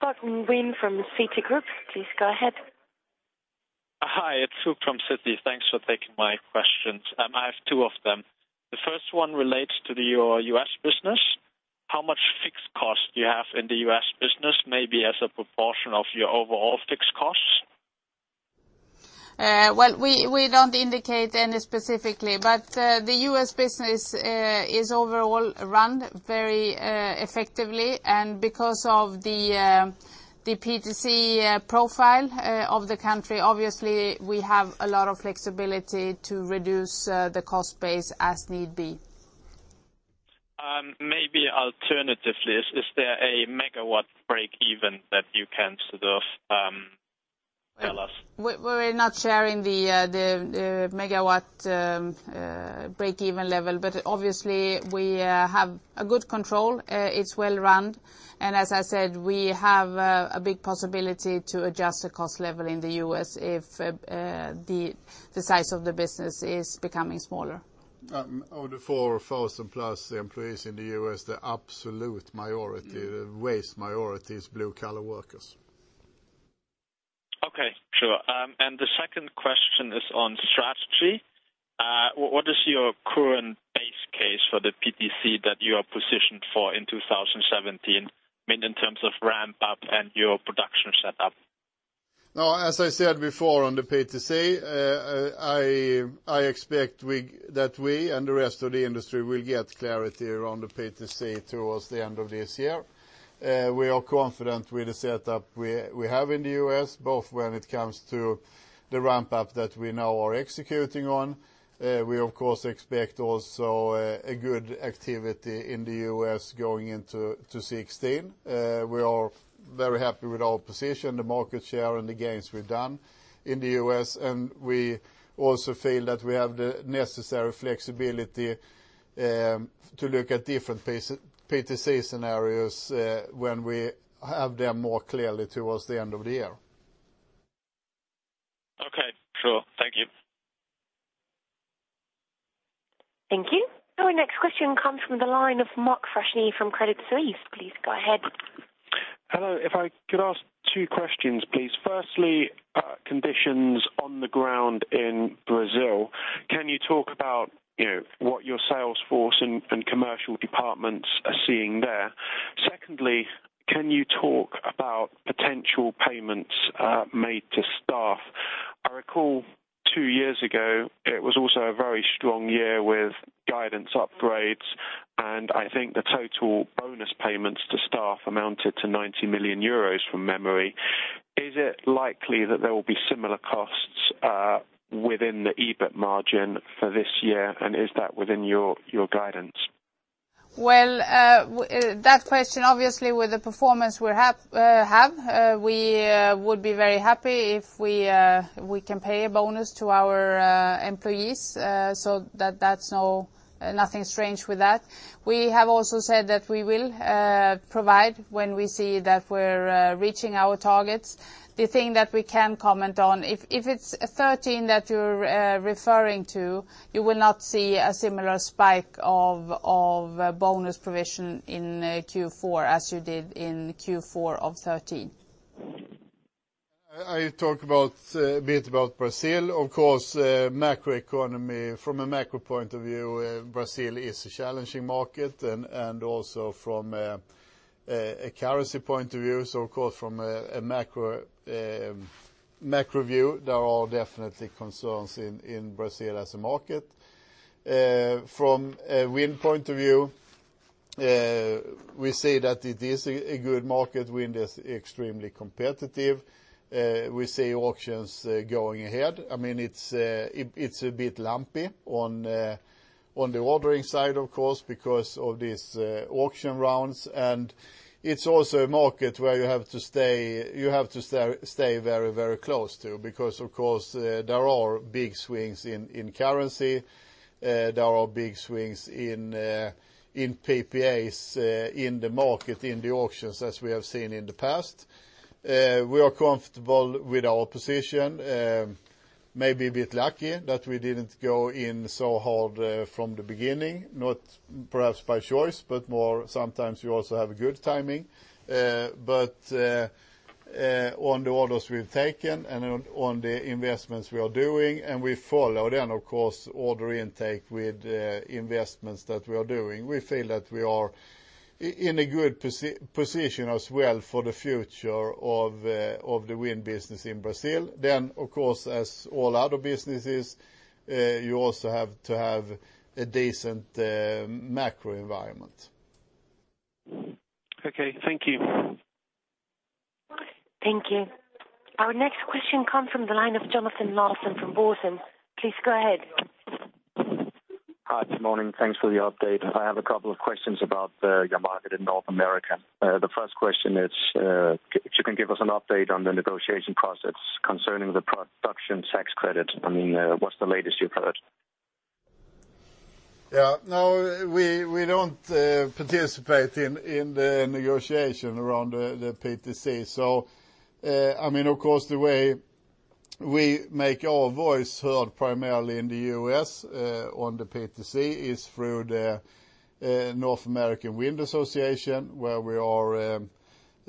Martin Wilkie from the Citigroup. Please go ahead. Hi, it's Fuchs from Citi. Thanks for taking my questions. I have two of them. The first one relates to your U.S. business. How much fixed cost do you have in the U.S. business, maybe as a proportion of your overall fixed costs? Well, we don't indicate any specifically, but the U.S. business is overall run very effectively, and because of the PTC profile of the country, obviously, we have a lot of flexibility to reduce the cost base as need be. Maybe alternatively, is there a megawatt break-even that you can sort of tell us? We're not sharing the megawatt break-even level, but obviously, we have a good control. It's well run, and as I said, we have a big possibility to adjust the cost level in the U.S. if the size of the business is becoming smaller. Of the 4,000 plus employees in the U.S., the absolute majority, the vast majority, is blue-collar workers. Okay, sure. The second question is on strategy. What is your current base case for the PTC that you are positioned for in 2017, in terms of ramp-up and your production setup? As I said before on the PTC, I expect that we and the rest of the industry will get clarity around the PTC towards the end of this year. We are confident with the setup we have in the U.S., both when it comes to the ramp-up that we now are executing on. We, of course, expect also a good activity in the U.S. going into 2016. We are very happy with our position, the market share, and the gains we've done in the U.S., and we also feel that we have the necessary flexibility to look at different PTC scenarios when we have them more clearly towards the end of the year. Thank you. Our next question comes from the line of Mark Freshney from Credit Suisse. Please go ahead. Hello. If I could ask two questions, please. Firstly, conditions on the ground in Brazil. Can you talk about what your sales force and commercial departments are seeing there? Secondly, can you talk about potential payments made to staff? I recall two years ago, it was also a very strong year with guidance upgrades, and I think the total bonus payments to staff amounted to 90 million euros from memory. Is it likely that there will be similar costs within the EBIT margin for this year, and is that within your guidance? Well, that question, obviously, with the performance we have, we would be very happy if we can pay a bonus to our employees, so nothing strange with that. We have also said that we will provide when we see that we're reaching our targets. The thing that we can comment on, if it's 2013 that you're referring to, you will not see a similar spike of bonus provision in Q4 as you did in Q4 of 2013. I talk a bit about Brazil. Of course, from a macro point of view, Brazil is a challenging market and also from a currency point of view. Of course, from a macro view, there are definitely concerns in Brazil as a market. From a wind point of view, we say that it is a good market. Wind is extremely competitive. We see auctions going ahead. It's a bit lumpy on the ordering side, of course, because of these auction rounds, and it's also a market where you have to stay very close to, because of course, there are big swings in currency, there are big swings in PPAs in the market, in the auctions, as we have seen in the past. We are comfortable with our position. Maybe a bit lucky that we didn't go in so hard from the beginning, not perhaps by choice, but more sometimes you also have good timing. On the orders we've taken and on the investments we are doing, and we follow then, of course, order intake with investments that we are doing. We feel that we are in a good position as well for the future of the wind business in Brazil. Of course, as all other businesses, you also have to have a decent macro environment. Okay. Thank you. Thank you. Our next question comes from the line of [Jonathan Larsen] from Berenberg. Please go ahead. Hi. Good morning. Thanks for the update. I have a couple of questions about your market in North America. The first question is if you can give us an update on the negotiation process concerning the production tax credit. What's the latest you've heard? Yeah. No, we don't participate in the negotiation around the PTC. Of course, the way we make our voice heard primarily in the U.S. on the PTC is through the American Wind Energy Association, where we are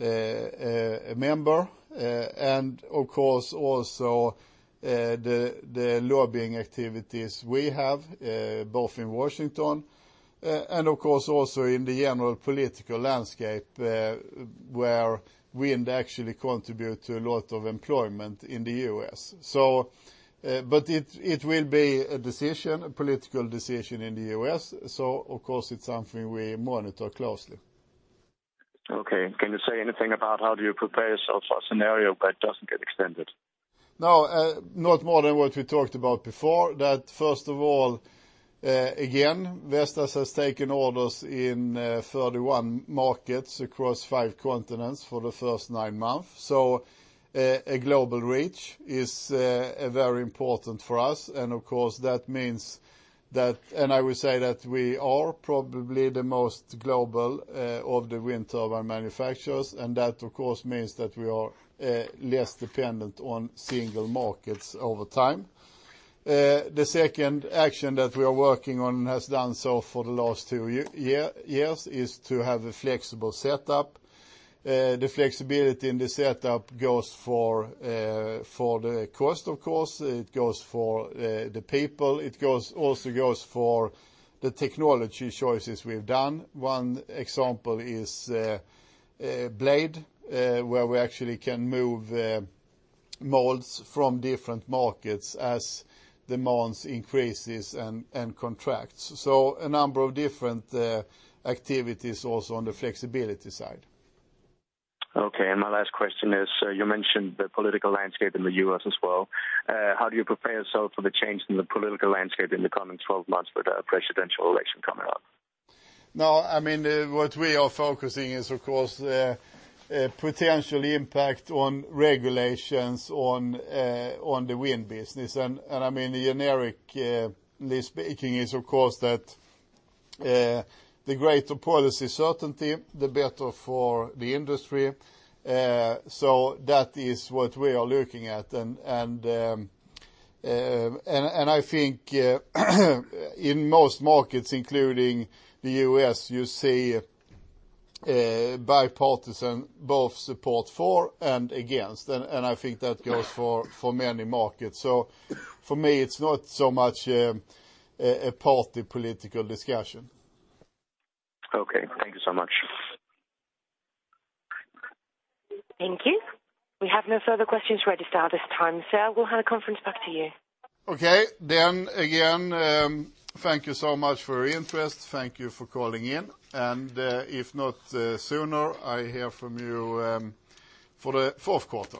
a member. Of course, also the lobbying activities we have, both in Washington and of course also in the general political landscape where wind actually contribute to a lot of employment in the U.S. It will be a political decision in the U.S., so of course it's something we monitor closely. Okay. Can you say anything about how do you prepare yourself for a scenario that doesn't get extended? No, not more than what we talked about before. That first of all, again, Vestas has taken orders in 31 markets across five continents for the first nine months. A global reach is very important for us, and I would say that we are probably the most global of the wind turbine manufacturers, and that of course means that we are less dependent on single markets over time. The second action that we are working on, and has done so for the last two years, is to have a flexible setup. The flexibility in the setup goes for the cost, of course, it goes for the people. It also goes for the technology choices we've done. One example is blade, where we actually can move molds from different markets as demands increases and contracts. A number of different activities also on the flexibility side. Okay. My last question is, you mentioned the political landscape in the U.S. as well. How do you prepare yourself for the change in the political landscape in the coming 12 months with the presidential election coming up? What we are focusing is, of course, potential impact on regulations on the wind business. The generically speaking is, of course, that the greater policy certainty, the better for the industry. That is what we are looking at. I think in most markets, including the U.S., you see bipartisan both support for and against, and I think that goes for many markets. For me, it's not so much a party political discussion. Okay. Thank you so much. Thank you. We have no further questions registered at this time, sir. We will hand the conference back to you. Okay. Again, thank you so much for your interest. Thank you for calling in, and if not sooner, I hear from you for the fourth quarter.